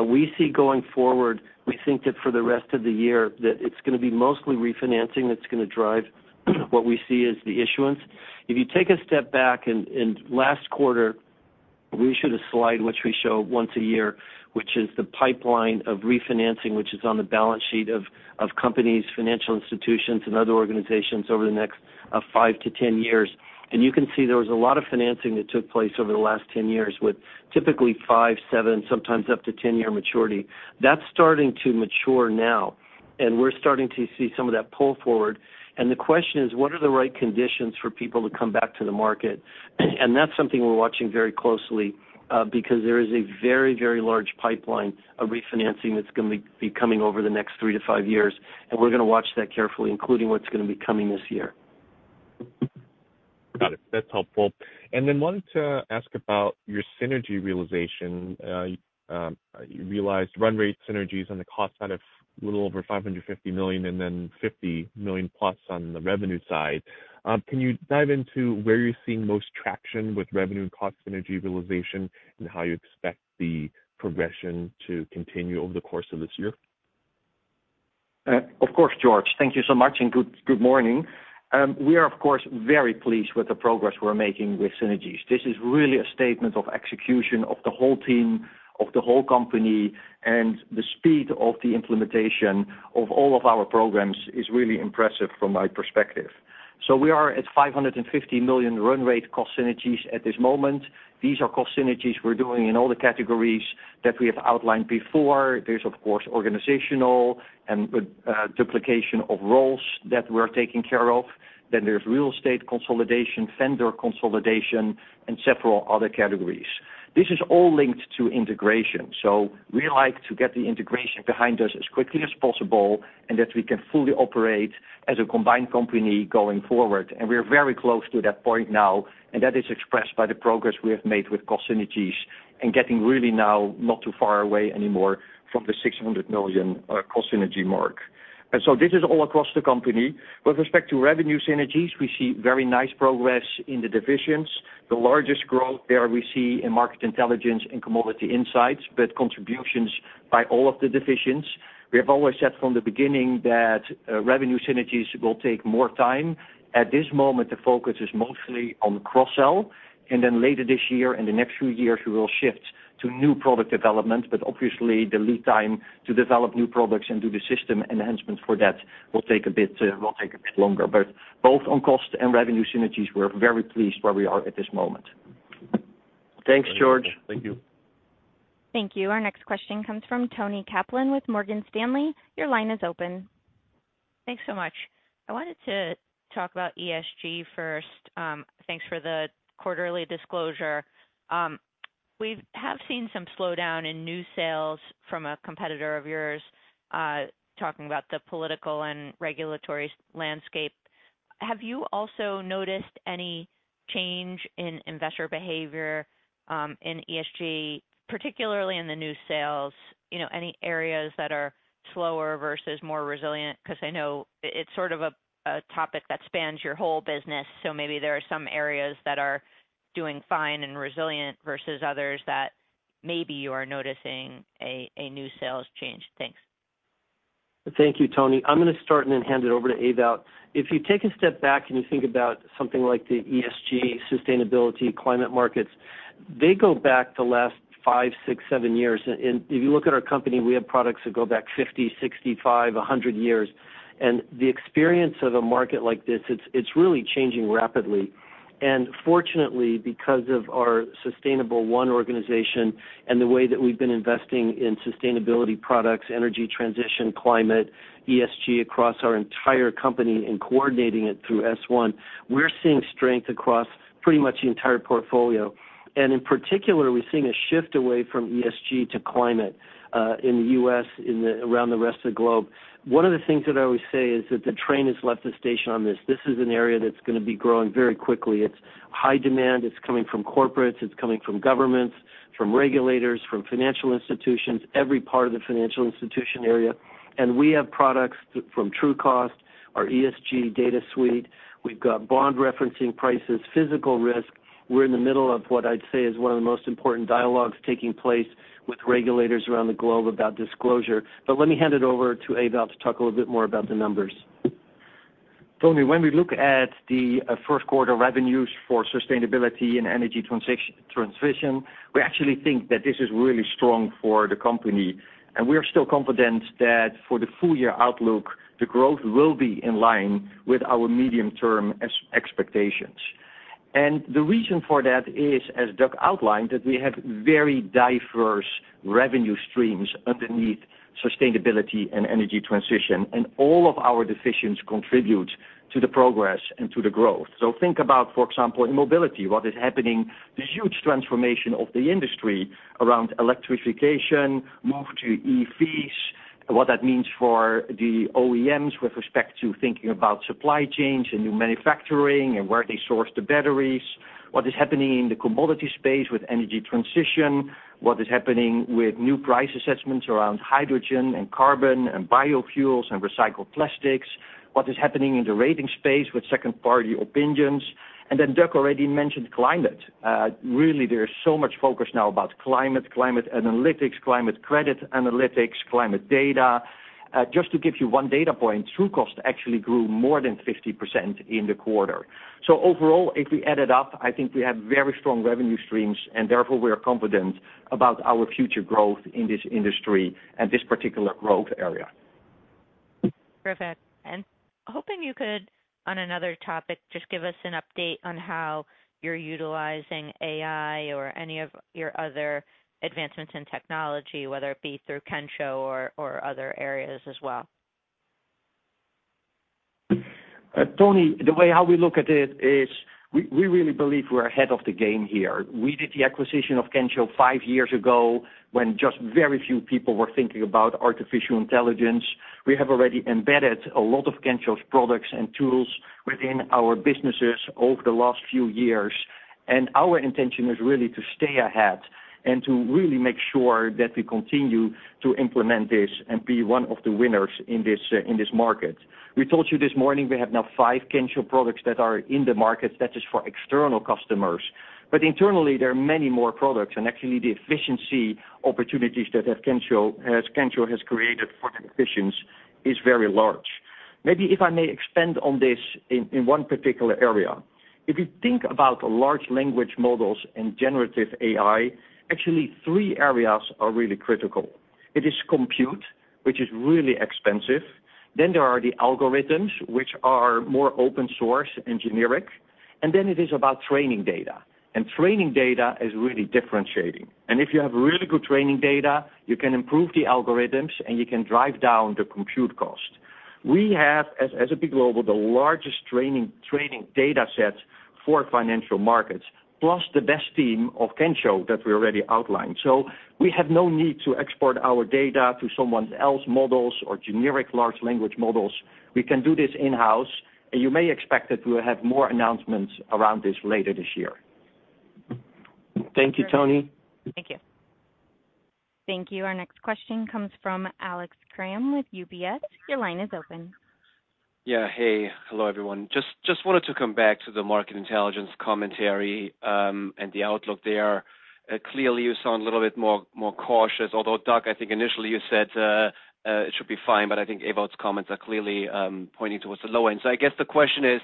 We see going forward, we think that for the rest of the year that it's gonna be mostly refinancing that's gonna drive what we see as the issuance. If you take a step back in last quarter, we showed a slide which we show once a year, which is the pipeline of refinancing, which is on the balance sheet of companies, financial institutions, and other organizations over the next five to 10 years. You can see there was a lot of financing that took place over the last 10 years, with typically five, seven, sometimes up to 10 year maturity. That's starting to mature now, and we're starting to see some of that pull forward. The question is, what are the right conditions for people to come back to the market? That's something we're watching very closely, because there is a very, very large pipeline of refinancing that's gonna be coming over the next three to five years, and we're gonna watch that carefully, including what's gonna be coming this year. Got it. That's helpful. Wanted to ask about your synergy realization. You realized run rate synergies on the cost side of a little over $550 million and then $50 million+ on the revenue side. Can you dive into where you're seeing most traction with revenue and cost synergy realization and how you expect the progression to continue over the course of this year? Of course, George. Thank you so much. Good morning. We are, of course, very pleased with the progress we're making with synergies. This is really a statement of execution of the whole team, of the whole company. The speed of the implementation of all of our programs is really impressive from my perspective. We are at $550 million run rate cost synergies at this moment. These are cost synergies we're doing in all the categories that we have outlined before. There's, of course, organizational and duplication of roles that we're taking care of. There's real estate consolidation, vendor consolidation, and several other categories. This is all linked to integration. We like to get the integration behind us as quickly as possible and that we can fully operate as a combined company going forward. We are very close to that point now, and that is expressed by the progress we have made with cost synergies and getting really now not too far away anymore from the $600 million cost synergy mark. This is all across the company. With respect to revenue synergies, we see very nice progress in the divisions. The largest growth there we see in Market Intelligence and Commodity Insights, but contributions by all of the divisions. We have always said from the beginning that revenue synergies will take more time. At this moment, the focus is mostly on cross-sell, and then later this year and the next few years, we will shift to new product development. Obviously the lead time to develop new products and do the system enhancements for that will take a bit, will take a bit longer. Both on cost and revenue synergies, we're very pleased where we are at this moment. Thanks, George. Thank you. Thank you. Our next question comes from Toni Kaplan with Morgan Stanley. Your line is open. Thanks so much. I wanted to talk about ESG first. Thanks for the quarterly disclosure. We have seen some slowdown in new sales from a competitor of yours, talking about the political and regulatory landscape. Have you also noticed any change in investor behavior, in ESG, particularly in the new sales? You know, any areas that are slower versus more resilient? Because I know it's sort of a topic that spans your whole business, so maybe there are some areas that are doing fine and resilient versus others that. Maybe you are noticing a new sales change. Thanks. Thank you, Toni. I'm gonna start and then hand it over to Ewout. If you take a step back and you think about something like the ESG sustainability climate markets, they go back the last five, six, seven years. If you look at our company, we have products that go back 50, 65, 100 years. The experience of a market like this, it's really changing rapidly. Fortunately, because of our Sustainable1 organization and the way that we've been investing in sustainability products, energy transition, climate, ESG across our entire company and coordinating it through S1, we're seeing strength across pretty much the entire portfolio. In particular, we're seeing a shift away from ESG to climate in the U.S. around the rest of the globe. One of the things that I always say is that the train has left the station on this. This is an area that's going to be growing very quickly. It's high demand. It's coming from corporates, it's coming from governments, from regulators, from financial institutions, every part of the financial institution area. We have products from Trucost, our ESG data suite. We've got bond referencing prices, physical risk. We're in the middle of what I'd say is one of the most important dialogues taking place with regulators around the globe about disclosure. Let me hand it over to Ewout to talk a little bit more about the numbers. Toni, when we look at the first quarter revenues for sustainability and energy transition, we actually think that this is really strong for the company. We are still confident that for the full-year outlook, the growth will be in line with our medium-term expectations. The reason for that is, as Doug outlined, that we have very diverse revenue streams underneath sustainability and energy transition, and all of our decisions contribute to the progress and to the growth. Think about, for example, in mobility, what is happening, the huge transformation of the industry around electrification, move to EVs, what that means for the OEMs with respect to thinking about supply chains and new manufacturing and where they source the batteries, what is happening in the commodity space with energy transition, what is happening with new price assessments around hydrogen and carbon and biofuels and recycled plastics, what is happening in the rating space with Second Party Opinions. Doug already mentioned climate. Really, there is so much focus now about climate analytics, climate credit analytics, climate data. Just to give you one data point, Trucost actually grew more than 50% in the quarter. Overall, if we add it up, I think we have very strong revenue streams and therefore we are confident about our future growth in this industry and this particular growth area. Perfect. Hoping you could, on another topic, just give us an update on how you're utilizing AI or any of your other advancements in technology, whether it be through Kensho or other areas as well. Toni, the way how we look at it is we really believe we're ahead of the game here. We did the acquisition of Kensho five years ago when just very few people were thinking about artificial intelligence. We have already embedded a lot of Kensho's products and tools within our businesses over the last few years. Our intention is really to stay ahead and to really make sure that we continue to implement this and be one of the winners in this market. We told you this morning we have now five Kensho products that are in the market. That is for external customers. Internally, there are many more products, and actually the efficiency opportunities that Kensho has created for the efficiency is very large. Maybe if I may expand on this in one particular area. If you think about large language models and generative AI, actually three areas are really critical. It is compute, which is really expensive. There are the algorithms, which are more open source and generic. It is about training data. Training data is really differentiating. If you have really good training data, you can improve the algorithms and you can drive down the compute cost. We have, as S&P Global, the largest training data set for financial markets, plus the best team of Kensho that we already outlined. We have no need to export our data to someone else models or generic large language models. We can do this in-house. You may expect that we'll have more announcements around this later this year. Thank you, Toni. Thank you. Thank you. Our next question comes from Alex Kramm with UBS. Your line is open. Yeah. Hey. Hello, everyone. Just wanted to come back to the Market Intelligence commentary and the outlook there. Clearly you sound a little bit more cautious. Although, Doug, I think initially you said it should be fine, but I think Ewout's comments are clearly pointing towards the low end. I guess the question is,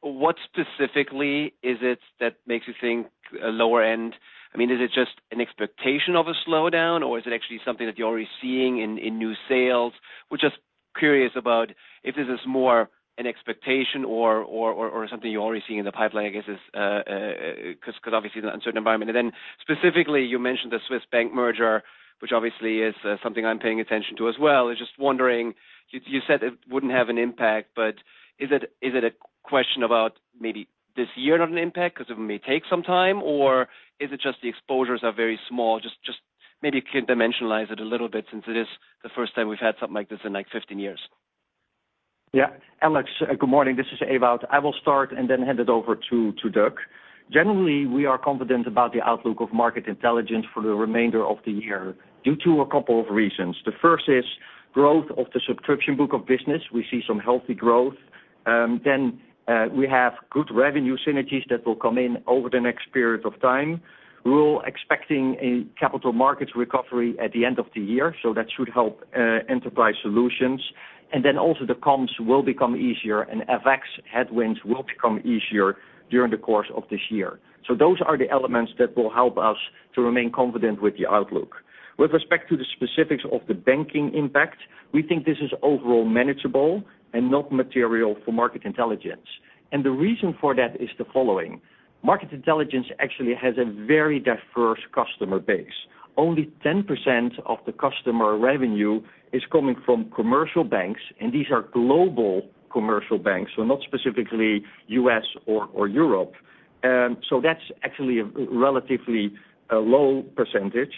what specifically is it that makes you think a lower end? I mean, is it just an expectation of a slowdown, or is it actually something that you're already seeing in new sales? We're just curious about if this is more an expectation or something you're already seeing in the pipeline, I guess is 'cause obviously the uncertain environment. Specifically, you mentioned the Swiss Bank merger, which obviously is something I'm paying attention to as well. I was just wondering, you said it wouldn't have an impact, but is it a question about maybe this year not an impact 'cause it may take some time, or is it just the exposures are very small? Just maybe you can dimensionalize it a little bit since it is the first time we've had something like this in, like, 15 years. Yeah. Alex, good morning. This is Ewout. I will start then hand it over to Doug. Generally, we are confident about the outlook of Market Intelligence for the remainder of the year due to a couple of reasons. The first is growth of the subscription book of business. We see some healthy growth. We have good revenue synergies that will come in over the next period of time. We're expecting a capital markets recovery at the end of the year, that should help enterprise solutions. Also the comms will become easier and FX headwinds will become easier during the course of this year. Those are the elements that will help us to remain confident with the outlook. With respect to the specifics of the banking impact, we think this is overall manageable and not material for Market Intelligence. The reason for that is the following. Market Intelligence actually has a very diverse customer base. Only 10% of the customer revenue is coming from commercial banks, and these are global commercial banks, so not specifically U.S. or Europe. That's actually a relatively low percentage.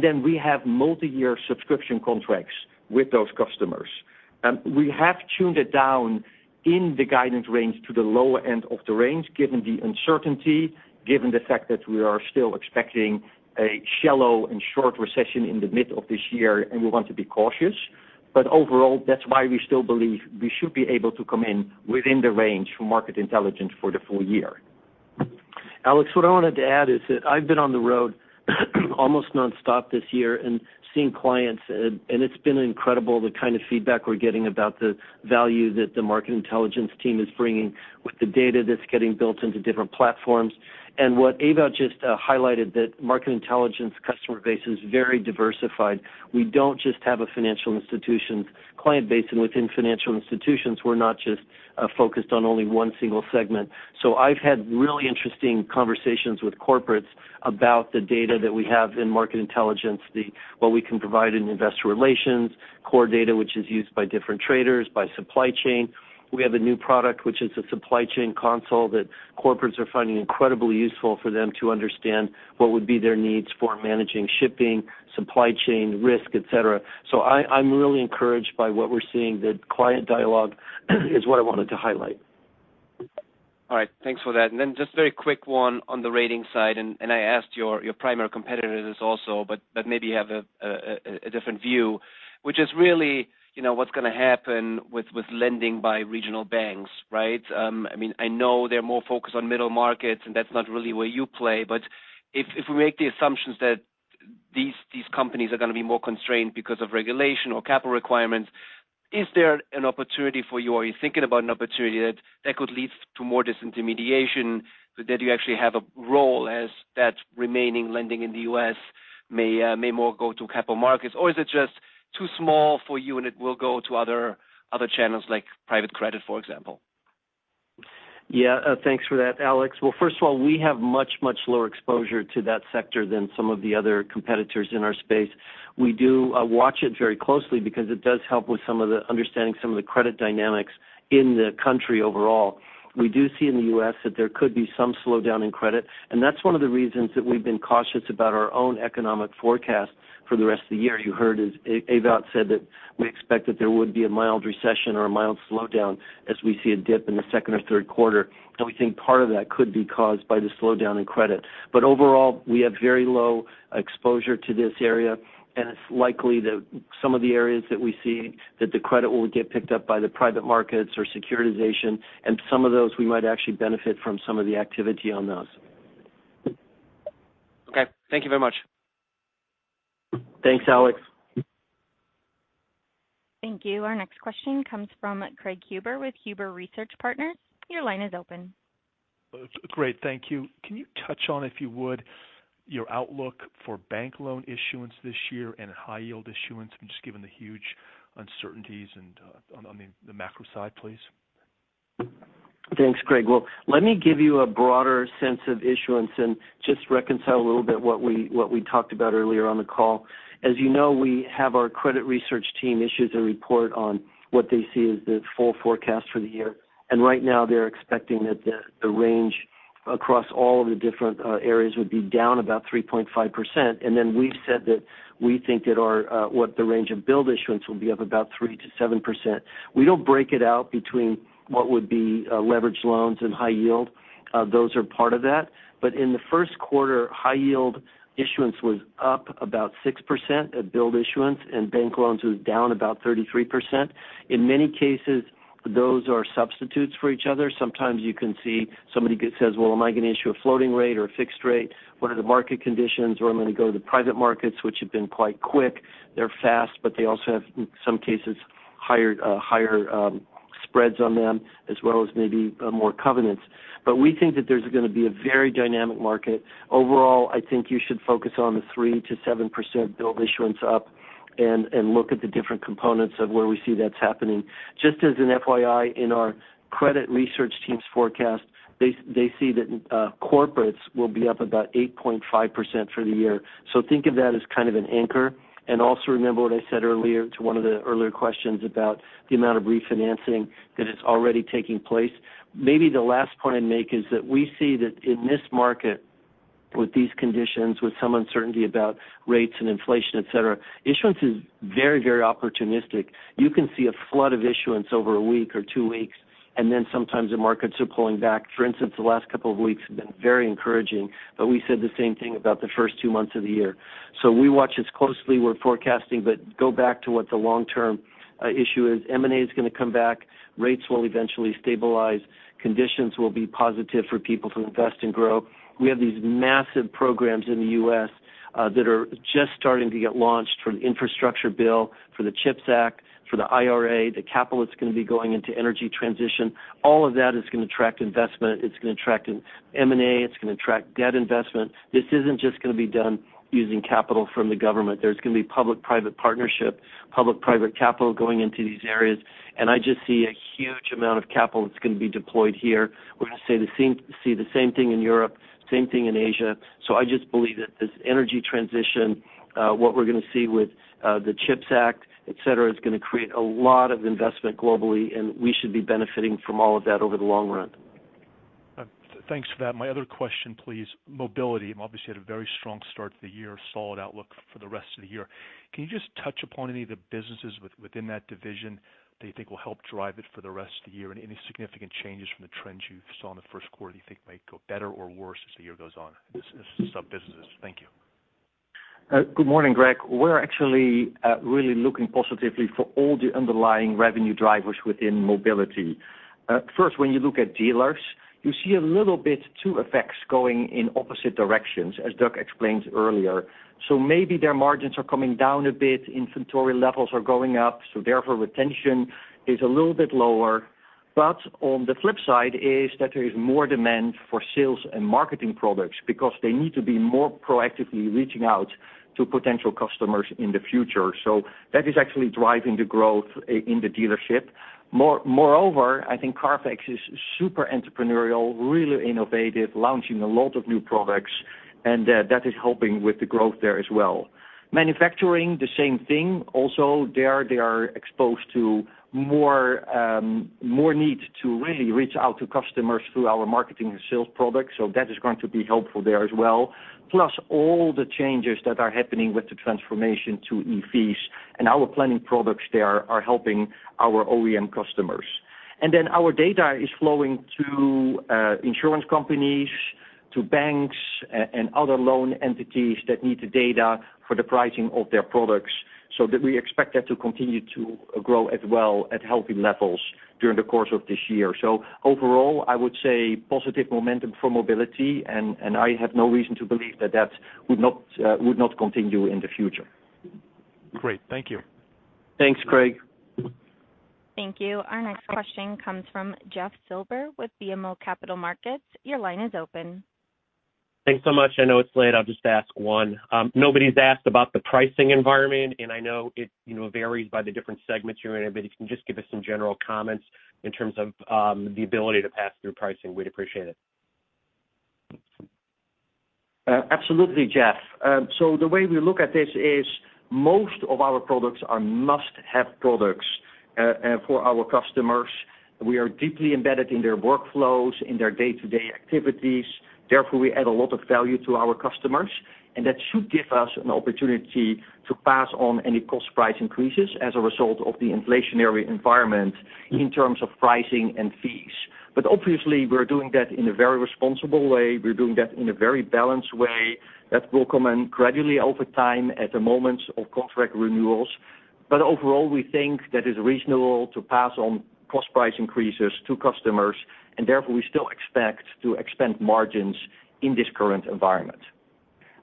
Then we have multiyear subscription contracts with those customers. We have tuned it down in the guidance range to the lower end of the range given the uncertainty, given the fact that we are still expecting a shallow and short recession in the mid of this year, and we want to be cautious. Overall, that's why we still believe we should be able to come in within the range for Market Intelligence for the full-year. Alex, what I wanted to add is that I've been on the road almost nonstop this year and seeing clients, and it's been incredible the kind of feedback we're getting about the value that the Market Intelligence team is bringing with the data that's getting built into different platforms. What Ewout just highlighted, that Market Intelligence customer base is very diversified. We don't just have a financial institutions client base, and within financial institutions, we're not just focused on only one single segment. I've had really interesting conversations with corporates about the data that we have in Market Intelligence, what we can provide in investor relations, core data which is used by different traders, by supply chain. We have a new product, which is a Supply Chain Console that corporates are finding incredibly useful for them to understand what would be their needs for managing shipping, supply chain risk, etc. I'm really encouraged by what we're seeing. The client dialogue is what I wanted to highlight. All right. Thanks for that. Just very quick one on the rating side, and I asked your primary competitors this also, but maybe you have a different view, which is really, you know, what's gonna happen with lending by regional banks, right? I mean, I know they're more focused on middle markets, and that's not really where you play. If we make the assumptions that these companies are gonna be more constrained because of regulation or capital requirements, is there an opportunity for you, are you thinking about an opportunity that could lead to more disintermediation, so that you actually have a role as that remaining lending in the U.S. may more go to capital markets? Is it just too small for you, and it will go to other channels like private credit, for example? Yeah. Thanks for that, Alex. Well, first of all, we have much, much lower exposure to that sector than some of the other competitors in our space. We do watch it very closely because it does help with understanding some of the credit dynamics in the country overall. We do see in the US that there could be some slowdown in credit. That's one of the reasons that we've been cautious about our own economic forecast for the rest of the year. You heard as Ewout said that we expect that there would be a mild recession or a mild slowdown as we see a dip in the second or third quarter. We think part of that could be caused by the slowdown in credit. Overall, we have very low exposure to this area, and it's likely that some of the areas that we see that the credit will get picked up by the private markets or securitization, and some of those we might actually benefit from some of the activity on those. Okay. Thank you very much. Thanks, Alex. Thank you. Our next question comes from Craig Huber with Huber Research Partners. Your line is open. Great. Thank you. Can you touch on, if you would, your outlook for bank loan issuance this year and high-yield issuance, just given the huge uncertainties and, on the macro side, please? Thanks, Craig. Well, let me give you a broader sense of issuance and just reconcile a little bit what we talked about earlier on the call. As you know, we have our credit research team issues a report on what they see as the full forecast for the year. Right now they're expecting that the range across all of the different areas would be down about 3.5%. We said that we think that our what the range of billed issuance will be up about 3%-7%. We don't break it out between what would be leverage loans and high yield. Those are part of that. In the 1st quarter, high-yield issuance was up about 6% at billed issuance, and bank loans was down about 33%. In many cases, those are substitutes for each other. Sometimes you can see somebody get says "Well, am I gonna issue a floating rate or a fixed rate? What are the market conditions? I'm gonna go to the private markets," which have been quite quick. They're fast, they also have, in some cases, higher spreads on them as well as maybe more covenants. We think that there's gonna be a very dynamic market. Overall, I think you should focus on the 3%-7% billed issuance up and look at the different components of where we see that's happening. Just as an FYI, in our credit research team's forecast, they see that corporates will be up about 8.5% for the year. Think of that as kind of an anchor. Also remember what I said earlier to one of the earlier questions about the amount of refinancing that is already taking place. Maybe the last point I'd make is that we see that in this market with these conditions, with some uncertainty about rates and inflation, et cetera, issuance is very, very opportunistic. You can see a flood of issuance over a week or two weeks. Sometimes the markets are pulling back. For instance, the last couple of weeks have been very encouraging, but we said the same thing about the first two months of the year. We watch this closely, we're forecasting, but go back to what the long-term issue is. M&A is gonna come back, rates will eventually stabilize, conditions will be positive for people to invest and grow. We have these massive programs in the U.S. that are just starting to get launched from the infrastructure bill, for the CHIPS Act, for the IRA, the capital that's gonna be going into energy transition. All of that is gonna attract investment, it's gonna attract M&A, it's gonna attract debt investment. This isn't just gonna be done using capital from the government. There's gonna be public-private partnership, public-private capital going into these areas, and I just see a huge amount of capital that's gonna be deployed here. We're gonna see the same thing in Europe, same thing in Asia. I just believe that this energy transition, what we're gonna see with the CHIPS Act, et cetera, is gonna create a lot of investment globally, and we should be benefiting from all of that over the long run. Thanks for that. My other question, please. Mobility, obviously had a very strong start to the year, solid outlook for the rest of the year. Can you just touch upon any of the businesses within that division that you think will help drive it for the rest of the year? Any significant changes from the trends you saw in the first quarter you think might go better or worse as the year goes on, this sub-businesses? Thank you. Good morning, Greg. We're actually really looking positively for all the underlying revenue drivers within mobility. First, when you look at dealers, you see a little bit two effects going in opposite directions, as Doug explained earlier. Maybe their margins are coming down a bit, inventory levels are going up, therefore, retention is a little bit lower. On the flip side is that there is more demand for sales and marketing products because they need to be more proactively reaching out to potential customers in the future. That is actually driving the growth in the dealership. Moreover, I think CARFAX is super entrepreneurial, really innovative, launching a lot of new products, and that is helping with the growth there as well. Manufacturing, the same thing. There they are exposed to more need to really reach out to customers through our marketing and sales products, that is going to be helpful there as well. All the changes that are happening with the transformation to EVs and our planning products there are helping our OEM customers. Our data is flowing to insurance companies, to banks and other loan entities that need the data for the pricing of their products. That we expect that to continue to grow as well at healthy levels during the course of this year. Overall, I would say positive momentum for mobility and I have no reason to believe that that would not continue in the future. Great. Thank you. Thanks, Greg. Thank you. Our next question comes from Jeff Silber with BMO Capital Markets. Your line is open. Thanks so much. I know it's late. I'll just ask one. Nobody's asked about the pricing environment. I know it, you know, varies by the different segments you're in. If you can just give us some general comments in terms of, the ability to pass through pricing, we'd appreciate it. Absolutely, Jeff. The way we look at this is most of our products are must-have products for our customers. We are deeply embedded in their workflows, in their day-to-day activities. Therefore, we add a lot of value to our customers, and that should give us an opportunity to pass on any cost price increases as a result of the inflationary environment in terms of pricing and fees. Obviously, we're doing that in a very responsible way. We're doing that in a very balanced way that will come in gradually over time at the moments of contract renewals. Overall, we think that it's reasonable to pass on cost price increases to customers, and therefore, we still expect to expand margins in this current environment.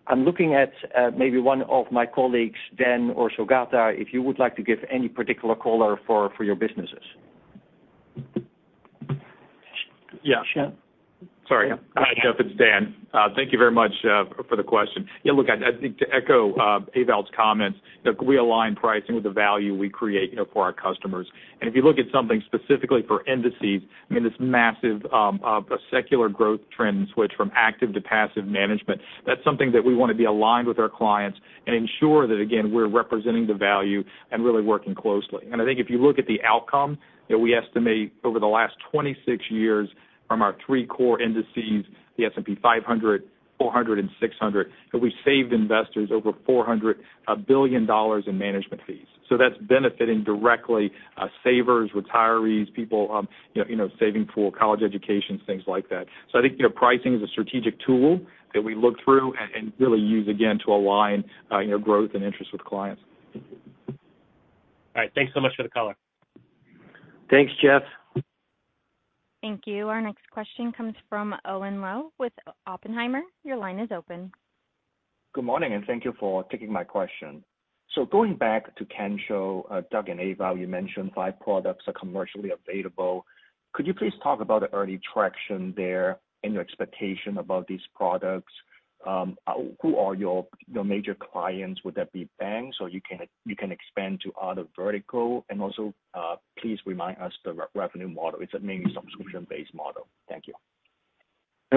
I'm looking at, maybe one of my colleagues, Dan or Saugata, if you would like to give any particular color for your businesses? Yeah. Sure. Sorry. Hi, Jeff. It's Dan. Thank you very much for the question. Look, I think to echo Ewout's comments, look, we align pricing with the value we create, you know, for our customers. If you look at something specifically for indices, I mean, this massive secular growth trend switch from active to passive management, that's something that we wanna be aligned with our clients and ensure that, again, we're representing the value and really working closely. I think if you look at the outcome that we estimate over the last 26 years from our three core indices, the S&P 500, 400, and 600, that we saved investors over $400 billion in management fees. That's benefiting directly savers, retirees, people, you know, saving for college educations, things like that. I think, you know, pricing is a strategic tool that we look through and really use again to align, you know, growth and interest with clients. All right. Thanks so much for the color. Thanks, Jeff. Thank you. Our next question comes from Owen Lau with Oppenheimer. Your line is open. Good morning, and thank you for taking my question. Going back to Kensho, Doug and Ewout, you mentioned five products are commercially available. Could you please talk about the early traction there and your expectation about these products? Who are your major clients? Would that be banks or you can expand to other vertical? Also, please remind us the revenue model. It's mainly subscription-based model. Thank you.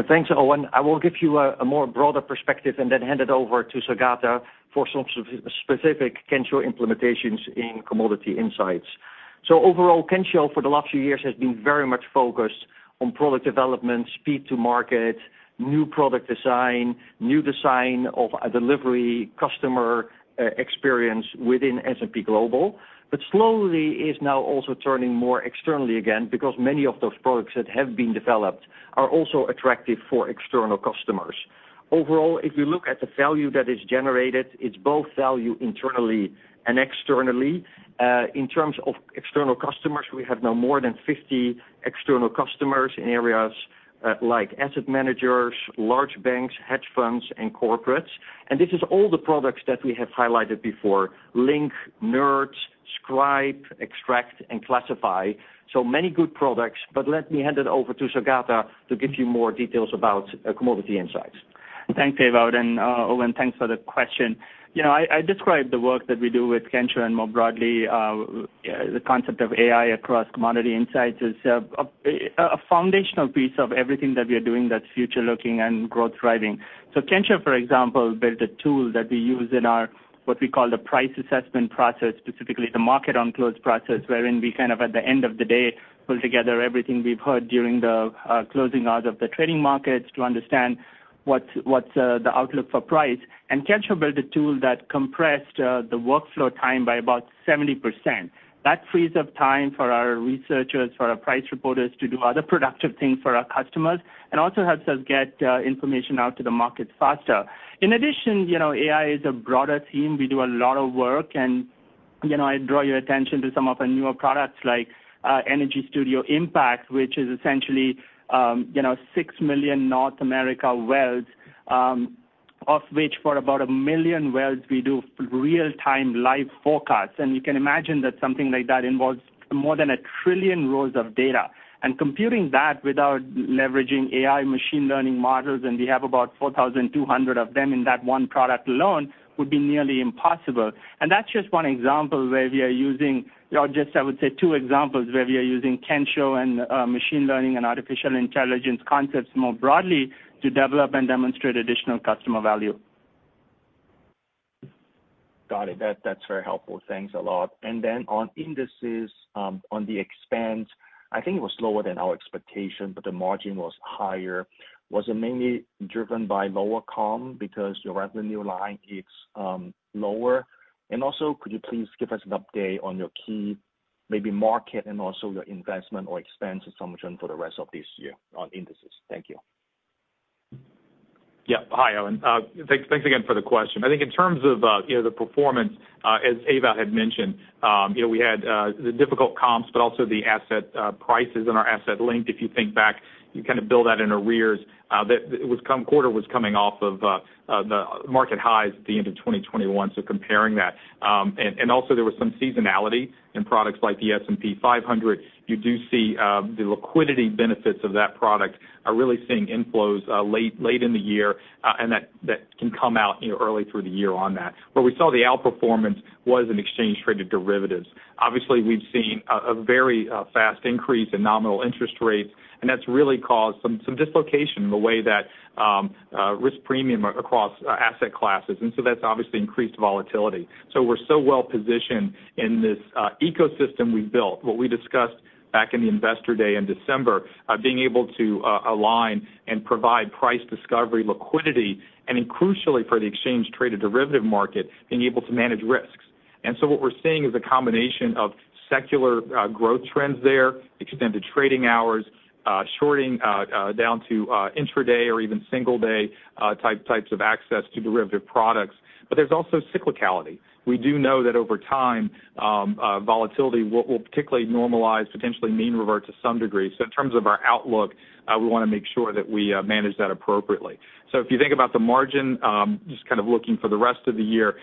Thanks, Owen. I will give you a more broader perspective and then hand it over to Saugata for some specific Kensho implementations in Commodity Insights. Overall, Kensho for the last few years has been very much focused On product development, speed to market, new product design, new design of a delivery customer, experience within S&P Global. Slowly is now also turning more externally again, because many of those products that have been developed are also attractive for external customers. Overall, if you look at the value that is generated, it's both value internally and externally. In terms of external customers, we have now more than 50 external customers in areas, like asset managers, large banks, hedge funds and corporates. This is all the products that we have highlighted before, Link, NERD, Scribe, Extract and Classify. Many good products, let me hand it over to Saugata to give you more details about Commodity Insights. Thanks, Ewout. Owen, thanks for the question. You know, I described the work that we do with Kensho and more broadly, the concept of AI across Commodity Insights is a foundational piece of everything that we are doing that's future-looking and growth-driving. Kensho, for example, built a tool that we use in our, what we call the price assessment process, specifically the market on close process, wherein we kind of at the end of the day, pull together everything we've heard during the closing hours of the trading markets to understand what's the outlook for price. Kensho built a tool that compressed the workflow time by about 70%. That frees up time for our researchers, for our price reporters to do other productive things for our customers. Also helps us get information out to the markets faster. In addition, you know, AI is a broader team. We do a lot of work, you know, I draw your attention to some of our newer products like Energy Studio Impact, which is essentially, you know, six million North America wells, of which for about a million wells we do real-time live forecasts. You can imagine that something like that involves more than a trillion rows of data. Computing that without leveraging AI machine learning models, and we have about 4,200 of them in that one product alone, would be nearly impossible. That's just one example where we are using or just, I would say two examples where we are using Kensho and machine learning and artificial intelligence concepts more broadly to develop and demonstrate additional customer value. Got it. That's very helpful. Thanks a lot. On Indices, on the expense, I think it was lower than our expectation, but the margin was higher. Was it mainly driven by lower comm because your revenue line is lower? Could you please give us an update on your key, maybe market and also your investment or expense assumption for the rest of this year on Indices? Thank you. Yeah. Hi, Owen. Thanks again for the question. I think in terms of, you know, the performance, as Ewout had mentioned, you know, we had the difficult comps, but also the asset prices and our asset link. If you think back, you kind of build that in arrears, that the quarter was coming off of the market highs at the end of 2021, so comparing that. Also there was some seasonality in products like the S&P 500. You do see the liquidity benefits of that product are really seeing inflows late in the year, and that can come out, you know, early through the year on that. Where we saw the outperformance was in exchange traded derivatives. Obviously, we've seen a very fast increase in nominal interest rates, and that's really caused some dislocation in the way that risk premium across asset classes, and so that's obviously increased volatility. We're so well-positioned in this ecosystem we built, what we discussed back in the Investor Day in December, being able to align and provide price discovery liquidity, and then crucially for the exchange traded derivative market, being able to manage risks. What we're seeing is a combination of secular growth trends there, extended trading hours, shorting down to intraday or even single day types of access to derivative products. There's also cyclicality. We do know that over time, volatility will particularly normalize, potentially mean revert to some degree. In terms of our outlook, we wanna make sure that we manage that appropriately. If you think about the margin, just kind of looking for the rest of the year,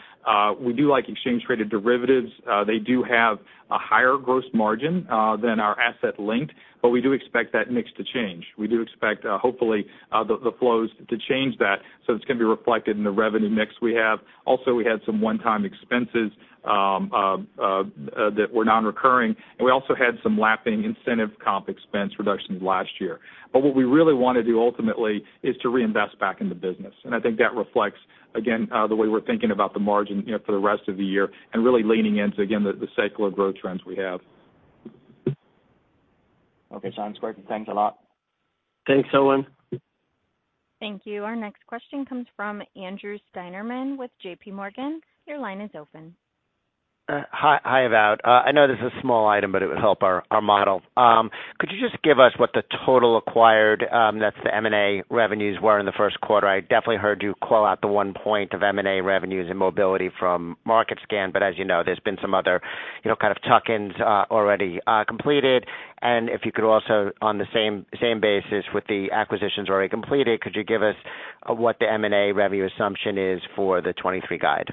we do like exchange traded derivatives. They do have a higher gross margin than our asset link, but we do expect that mix to change. We do expect, hopefully, the flows to change that, so it's gonna be reflected in the revenue mix we have. Also, we had some one-time expenses that were non-recurring, and we also had some lapping incentive comp expense reductions last year. What we really wanna do ultimately is to reinvest back in the business, and I think that reflects, again, the way we're thinking about the margin, you know, for the rest of the year, and really leaning into, again, the secular growth trends we have. Okay, sounds great. Thanks a lot. Thanks, Owen. Thank you. Our next question comes from Andrew Steinerman with JPMorgan. Your line is open. Hi, Ewout. I know this is a small item, but it would help our model. Could you just give us what the total acquired, that's the M&A revenues were in the first quarter? I definitely heard you call out the one point of M&A revenues and Mobility from Market Scan, but as you know, there's been some other, you know, kind of tuck-ins already completed. If you could also, on the same basis with the acquisitions already completed, could you give us what the M&A revenue assumption is for the 2023 guide?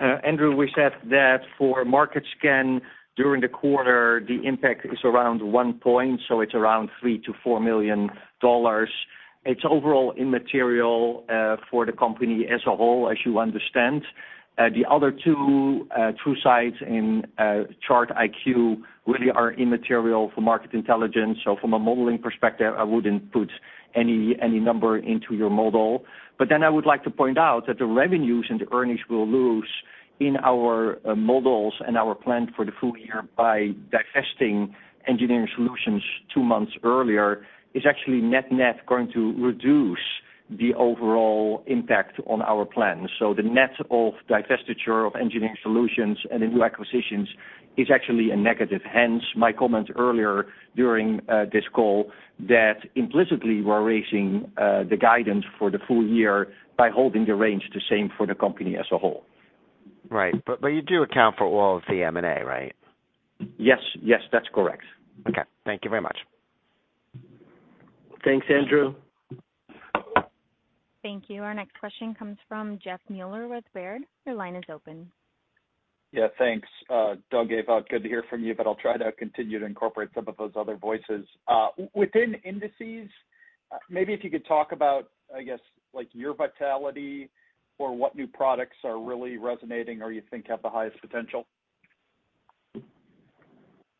Andrew, we said that for Market Scan during the quarter, the impact is around one point, so it's around $3 million-$4 million. It's overall immaterial for the company as a whole, as you understand. The other two sites in ChartIQ really are immaterial for Market Intelligence. From a modeling perspective, I wouldn't put any number into your model. I would like to point out that the revenues and the earnings we'll lose In our models and our plan for the full-year by divesting Engineering Solutions two months earlier is actually net-net going to reduce the overall impact on our plan. The net of divestiture of Engineering Solutions and the new acquisitions is actually a negative. Hence my comment earlier during this call that implicitly we're raising the guidance for the full-year by holding the range the same for the company as a whole. Right. You do account for all of the M&A, right? Yes. Yes, that's correct. Okay. Thank you very much. Thanks, Andrew. Thank you. Our next question comes from Jeff Meuler with Baird. Your line is open. Yeah, thanks. Doug, Ewout, good to hear from you, but I'll try to continue to incorporate some of those other voices. within indices, maybe if you could talk about, I guess, like, your Vitality or what new products are really resonating or you think have the highest potential.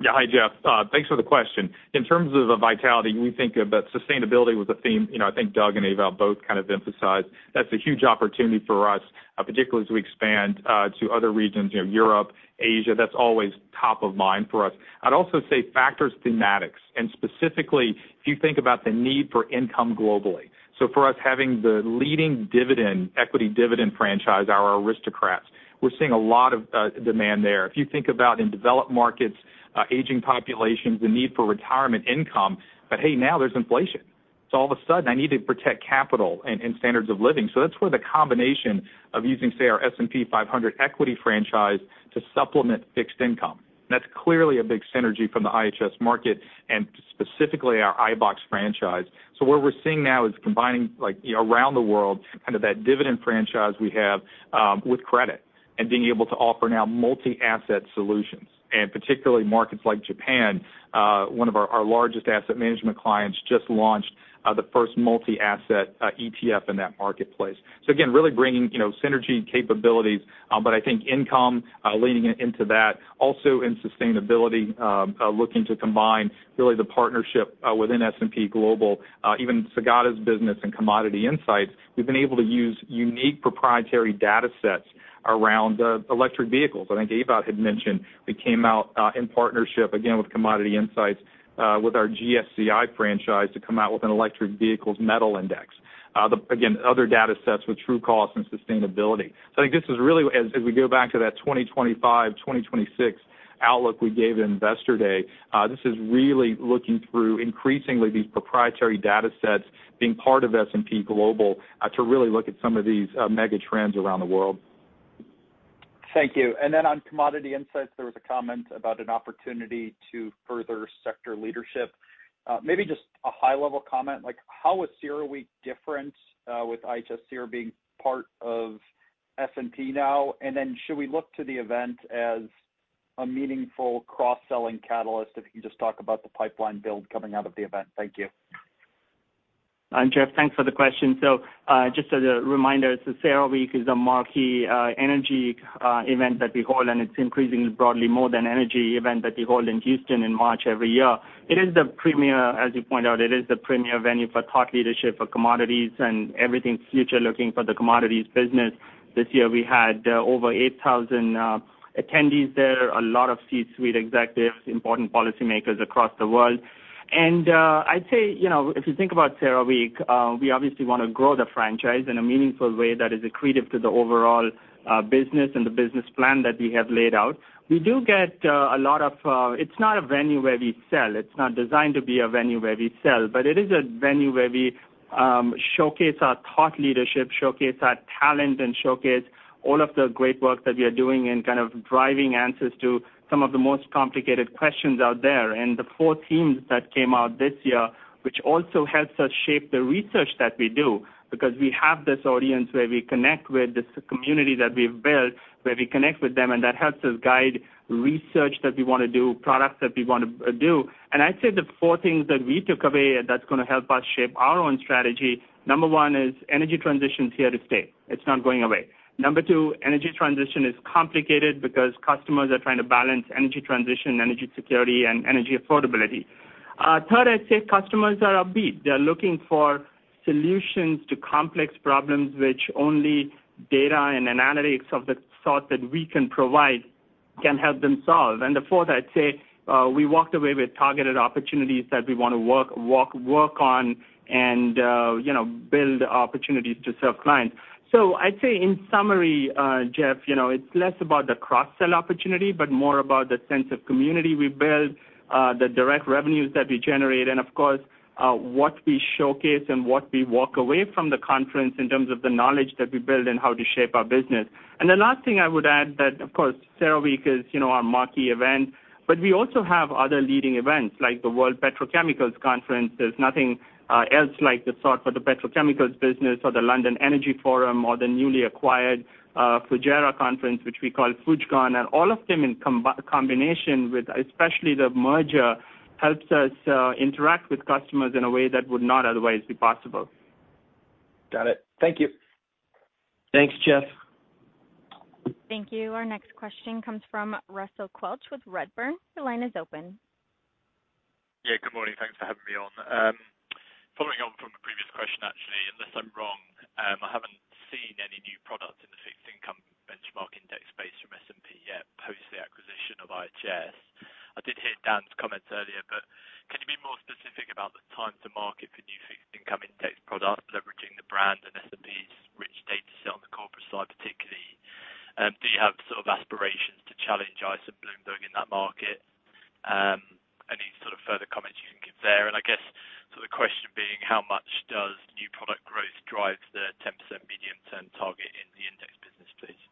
Yeah. Hi, Jeff. Thanks for the question. In terms of the vitality, we think of that sustainability was a theme, you know, I think Doug and Ewout both kind of emphasized. That's a huge opportunity for us, particularly as we expand to other regions, you know, Europe, Asia. That's always top of mind for us. I'd also say factors thematics, and specifically, if you think about the need for income globally. For us, having the leading dividend, equity dividend franchise, our Aristocrats, we're seeing a lot of demand there. If you think about in developed markets, aging populations, the need for retirement income, but hey, now there's inflation. All of a sudden, I need to protect capital and standards of living. That's where the combination of using, say, our S&P 500 equity franchise to supplement fixed income. That's clearly a big synergy from the IHS Markit and specifically our iBoxx franchise. What we're seeing now is combining, like, you know, around the world, kind of that dividend franchise we have, with credit and being able to offer now multi-asset solutions. Particularly markets like Japan, one of our largest asset management clients just launched the first multi-asset ETF in that marketplace. Again, really bringing, you know, synergy and capabilities, but I think income, leaning into that. Also in sustainability, looking to combine really the partnership within S&P Global, even Saugata's business and commodity insights, we've been able to use unique proprietary datasets around electric vehicles. I think Ewout had mentioned we came out, in partnership again with Commodity Insights, with our GSCI franchise to come out with an electric vehicles metal index, again, other datasets with Trucost and sustainability. I think this is really as we go back to that 2025, 2026 outlook we gave at Investor Day, this is really looking through increasingly these proprietary datasets being part of S&P Global, to really look at some of these mega trends around the world. Thank you. On Commodity Insights, there was a comment about an opportunity to further sector leadership. Maybe just a high-level comment, like how is CERAWeek different, with IHS CERA being part of S&P now? Should we look to the event as a meaningful cross-selling catalyst, if you can just talk about the pipeline build coming out of the event? Thank you. Jeff, thanks for the question. Just as a reminder, CERAWeek is the marquee energy event that we hold, and it's increasingly broadly more than energy event that we hold in Houston in March every year. It is the premier, as you pointed out, it is the premier venue for thought leadership for commodities and everything future looking for the commodities business. This year, we had over 8,000 attendees there, a lot of C-suite executives, important policymakers across the world. I'd say, you know, if you think about CERAWeek, we obviously wanna grow the franchise in a meaningful way that is accretive to the overall business and the business plan that we have laid out. We do get a lot of. It's not a venue where we sell. It's not designed to be a venue where we sell, but it is a venue where we showcase our thought leadership, showcase our talent, and showcase all of the great work that we are doing in kind of driving answers to some of the most complicated questions out there. The four themes that came out this year, which also helps us shape the research that we do because we have this audience where we connect with this community that we've built, where we connect with them, and that helps us guide research that we wanna do, products that we wanna do. I'd say the four things that we took away that's gonna help us shape our own strategy, number one is energy transition's here to stay. It's not going away. Number two, energy transition is complicated because customers are trying to balance energy transition, energy security, and energy affordability. Third, I'd say customers are upbeat. They're looking for solutions to complex problems which only data and analytics of the sort that we can provide can help them solve. The fourth, I'd say, we walked away with targeted opportunities that we wanna work on and, you know, build opportunities to serve clients. I'd say in summary, Jeff, you know, it's less about the cross-sell opportunity, but more about the sense of community we build, the direct revenues that we generate, and of course, what we showcase and what we walk away from the conference in terms of the knowledge that we build and how to shape our business. The last thing I would add that, of course, CERAWeek is, you know, our marquee event, but we also have other leading events like the World Petrochemical Conference. There's nothing else like the sort for the petrochemicals business or the London Energy Forum or the newly acquired Fujairah conference, which we call FUJCON. All of them in combination with, especially the merger, helps us interact with customers in a way that would not otherwise be possible. Got it. Thank you. Thanks, Jeff. Thank you. Our next question comes from Russell Quelch with Redburn. Your line is open. Yeah, good morning. Thanks for having me on. Following on from a previous question, actually, unless I'm wrong, I haven't seen any new products in the fixed income benchmark index space from S&P yet, post the acquisition of IHS. I did hear Dan's comments earlier, can you be more specific about the time to market for new fixed income index products, leveraging the brand and S&P's rich data set on the corporate side particularly? Do you have sort of aspirations to challenge ICE and Bloomberg in that market? Any sort of further comments you can give there? I guess so the question being, how much does new product growth drive the 10% medium-term target in the index business, please?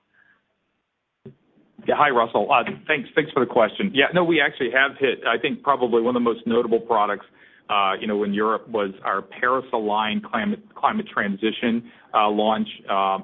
Hi, Russell. Thanks. Thanks for the question. No, we actually have hit, I think probably one of the most notable products, you know, in Europe was our Paris-aligned Climate Transition launch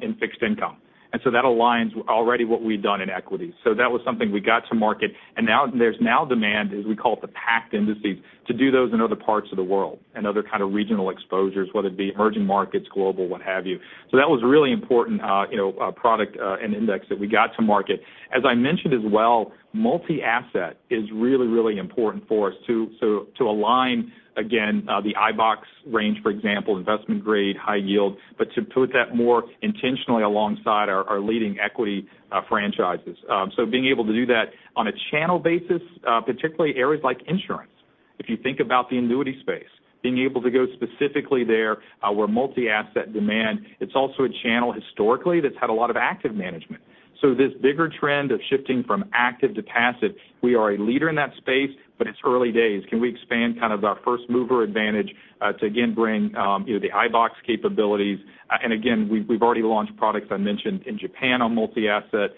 in fixed income. That aligns already what we've done in equity. That was something we got to market, and now there's demand, as we call it, the thematic indices, to do those in other parts of the world and other kind of regional exposures, whether it be emerging markets, global, what have you. That was really important, you know, product and index that we got to market. As I mentioned as well, multi-asset is really, really important for us to align again, the iBoxx range, for example, investment grade, high yield, but to put that more intentionally alongside our leading equity franchises. Being able to do that on a channel basis, particularly areas like insurance. If you think about the annuity space, being able to go specifically there, where multi-asset demand, it's also a channel historically that's had a lot of active management. This bigger trend of shifting from active to passive, we are a leader in that space, but it's early days. Can we expand kind of our first-mover advantage to again bring, you know, the iBoxx capabilities? And again, we've already launched products I mentioned in Japan on multi-asset.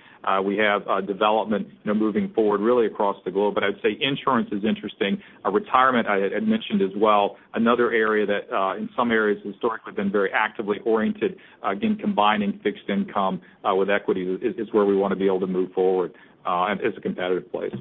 We have development, you know, moving forward really across the globe. I'd say insurance is interesting. Retirement I had mentioned as well. Another area that, in some areas historically been very actively oriented, again, combining fixed income with equity is where we want to be able to move forward and is a competitive place.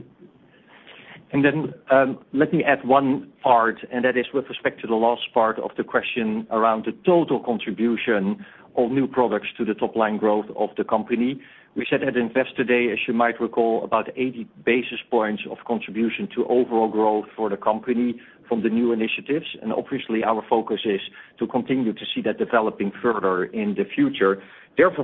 Let me add one part, and that is with respect to the last part of the question around the total contribution of new products to the top-line growth of the company. We said at Investor Day, as you might recall, about 80 basis points of contribution to overall growth for the company from the new initiatives, obviously our focus is to continue to see that developing further in the future.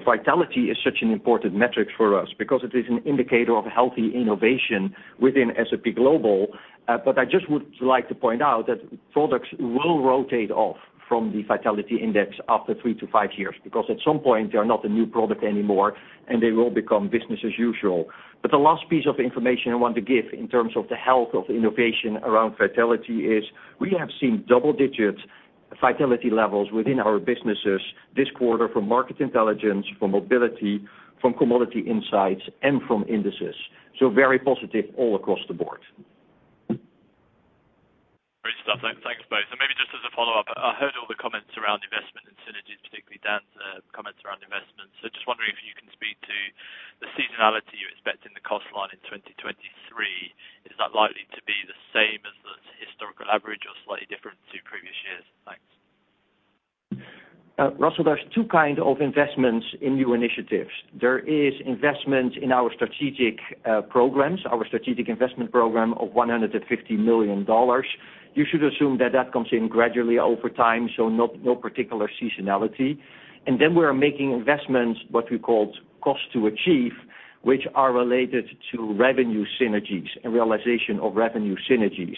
Vitality is such an important metric for us because it is an indicator of healthy innovation within S&P Global. I just would like to point out that products will rotate off from the vitality index after three to five years, because at some point they are not a new product anymore, they will become business as usual. The last piece of information I want to give in terms of the health of innovation around vitality is we have seen double-digit vitality levels within our businesses this quarter from Market Intelligence, from Mobility, from Commodity Insights, and from Indices. Very positive all across the board. Great stuff. Thanks, guys. Maybe just as a follow-up, I heard all the comments around investment and synergies, particularly Dan's comments around investment. Just wondering if you can speak to the seasonality you expect in the cost line in 2023. Is that likely to be the same as the historical average or slightly different to previous years? Thanks. Russell, there's two kind of investments in new initiatives. There is investment in our strategic programs, our strategic investment program of $150 million. You should assume that that comes in gradually over time, so no particular seasonality. We are making investments, what we called cost to achieve, which are related to revenue synergies and realization of revenue synergies.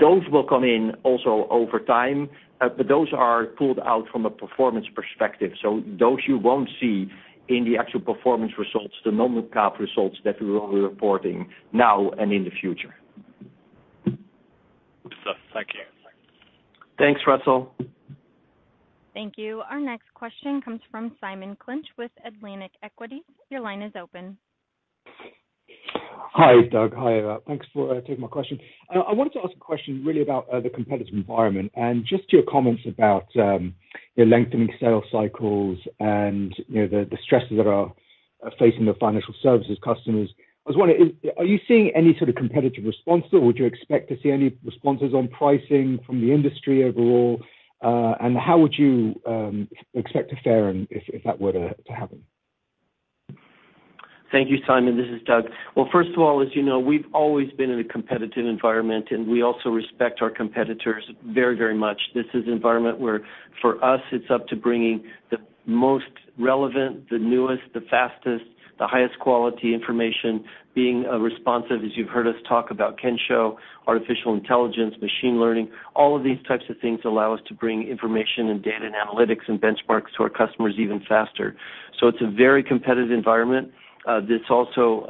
Those will come in also over time, but those are pulled out from a performance perspective. Those you won't see in the actual performance results, the non-GAAP results that we will be reporting now and in the future. Good stuff. Thank you. Thanks, Russell. Thank you. Our next question comes from Simon Clinch with Atlantic Equities. Your line is open. Hi, Doug. Hi, Ewout. Thanks for taking my question. I wanted to ask a question really about the competitive environment and just your comments about, you know, lengthening sales cycles and, you know, the stresses that are facing the financial services customers. I was wondering, are you seeing any sort of competitive response, or would you expect to see any responses on pricing from the industry overall? How would you expect to fare and if that were to happen? Thank you, Simon. This is Doug. Well, first of all, as you know, we've always been in a competitive environment, and we also respect our competitors very, very much. This is an environment where, for us, it's up to bringing the most relevant, the newest, the fastest, the highest quality information, being responsive, as you've heard us talk about Kensho, artificial intelligence, machine learning. All of these types of things allow us to bring information and data and analytics and benchmarks to our customers even faster. It's a very competitive environment. This also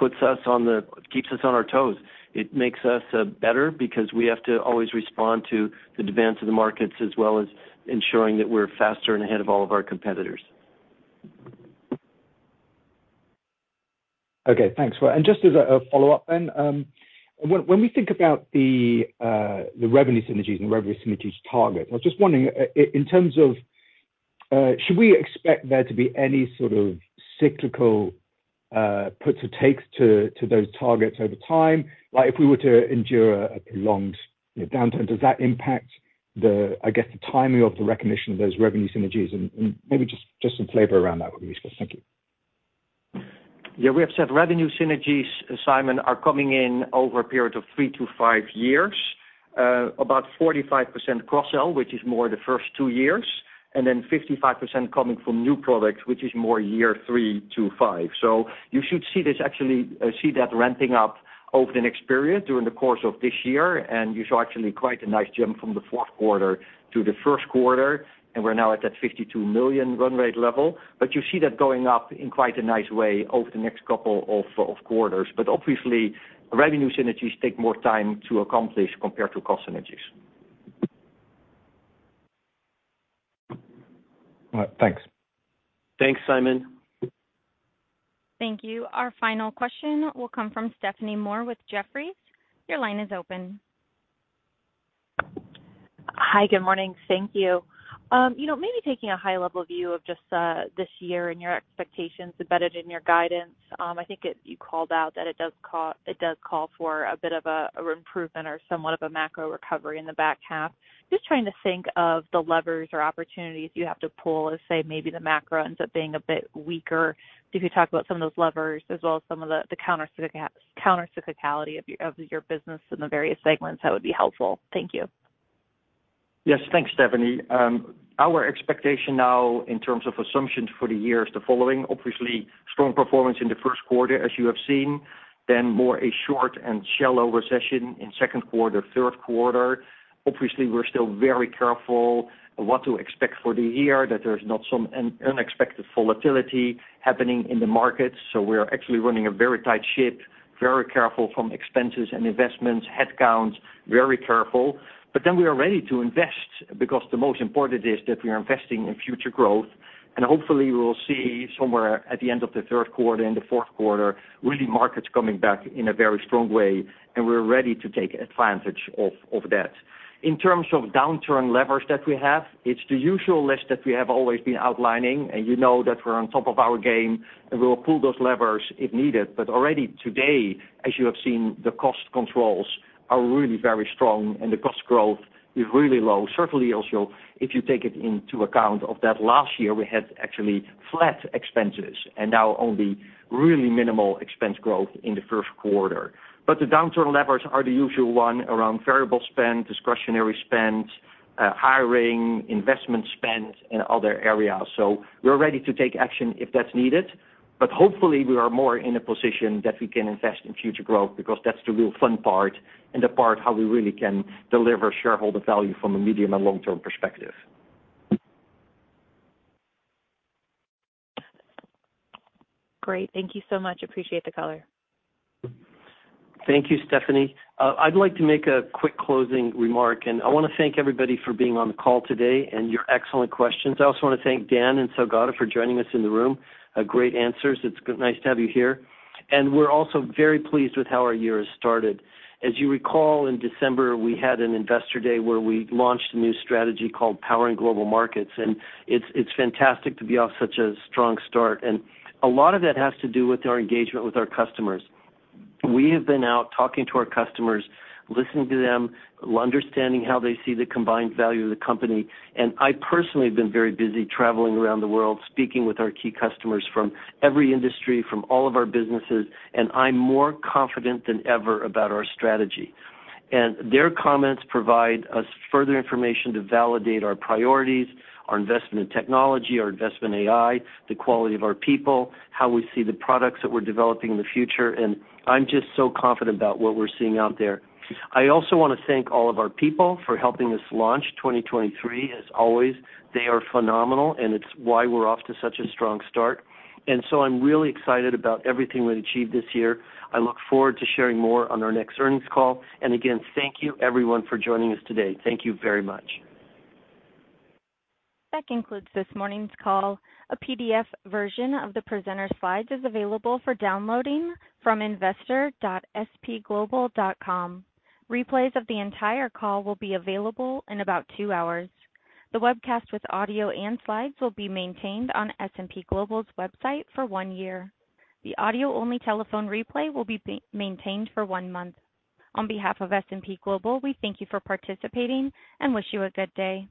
keeps us on our toes. It makes us better because we have to always respond to the demands of the markets as well as ensuring that we're faster and ahead of all of our competitors. Okay, thanks. Well, just as a follow-up then, when we think about the revenue synergies and revenue synergies target, I was just wondering in terms of, should we expect there to be any sort of cyclical puts or takes to those targets over time? Like if we were to endure a prolonged downturn, does that impact the, I guess, the timing of the recognition of those revenue synergies? Maybe just some flavor around that would be useful. Thank you. We have said revenue synergies, Simon Clinch, are coming in over a period of three to five years, about 45% cross-sell, which is more the first two years, and then 55% coming from new products, which is more year three to five. You should see this actually, see that ramping up over the next period during the course of this year. You saw actually quite a nice jump from the fourth quarter to the first quarter, and we're now at that $52 million run rate level. You see that going up in quite a nice way over the next couple of quarters. Obviously, revenue synergies take more time to accomplish compared to cost synergies. All right. Thanks. Thanks, Simon. Thank you. Our final question will come from Stephanie Moore with Jefferies. Your line is open. Hi, good morning. Thank you. You know, maybe taking a high-level view of just this year and your expectations embedded in your guidance, I think you called out that it does call for a bit of an improvement or somewhat of a macro recovery in the back half. Just trying to think of the levers or opportunities you have to pull if, say, maybe the macro ends up being a bit weaker. If you could talk about some of those levers as well as some of the countercyclicality of your business in the various segments, that would be helpful. Thank you. Yes. Thanks, Stephanie. Our expectation now in terms of assumptions for the year is the following: obviously strong performance in the first quarter, as you have seen, then more a short and shallow recession in second quarter, third quarter. Obviously, we're still very careful what to expect for the year, that there's not some unexpected volatility happening in the market. We are actually running a very tight ship, very careful from expenses and investments, headcounts, very careful. We are ready to invest because the most important is that we are investing in future growth. Hopefully we will see somewhere at the end of the third quarter and the fourth quarter, really markets coming back in a very strong way, and we're ready to take advantage of that. In terms of downturn levers that we have, it's the usual list that we have always been outlining. You know that we're on top of our game, and we will pull those levers if needed. Already today, as you have seen, the cost controls are really very strong and the cost growth is really low. Certainly also, if you take it into account of that last year, we had actually flat expenses and now only really minimal expense growth in the first quarter. The downturn levers are the usual one around variable spend, discretionary spend, hiring, investment spend and other areas. We're ready to take action if that's needed. Hopefully we are more in a position that we can invest in future growth because that's the real fun part and the part how we really can deliver shareholder value from a medium and long-term perspective. Great. Thank you so much. Appreciate the color. Thank you, Stephanie. I'd like to make a quick closing remark, and I wanna thank everybody for being on the call today and your excellent questions. I also want to thank Dan and Saugata for joining us in the room. Great answers. It's nice to have you here. We're also very pleased with how our year has started. As you recall, in December, we had an Investor Day where we launched a new strategy called Powering Global Markets, and it's fantastic to be off such a strong start. A lot of that has to do with our engagement with our customers. We have been out talking to our customers, listening to them, understanding how they see the combined value of the company. I personally have been very busy traveling around the world, speaking with our key customers from every industry, from all of our businesses, and I'm more confident than ever about our strategy. Their comments provide us further information to validate our priorities, our investment in technology, our investment in AI, the quality of our people, how we see the products that we're developing in the future, and I'm just so confident about what we're seeing out there. I also want to thank all of our people for helping us launch 2023. As always, they are phenomenal, and it's why we're off to such a strong start. I'm really excited about everything we've achieved this year. I look forward to sharing more on our next earnings call. Again, thank you everyone for joining us today. Thank you very much. That concludes this morning's call. A PDF version of the presenter's slides is available for downloading from investor.spglobal.com. Replays of the entire call will be available in about two hours. The webcast with audio and slides will be maintained on S&P Global's website for one year. The audio-only telephone replay will be maintained for one month. On behalf of S&P Global, we thank you for participating and wish you a good day.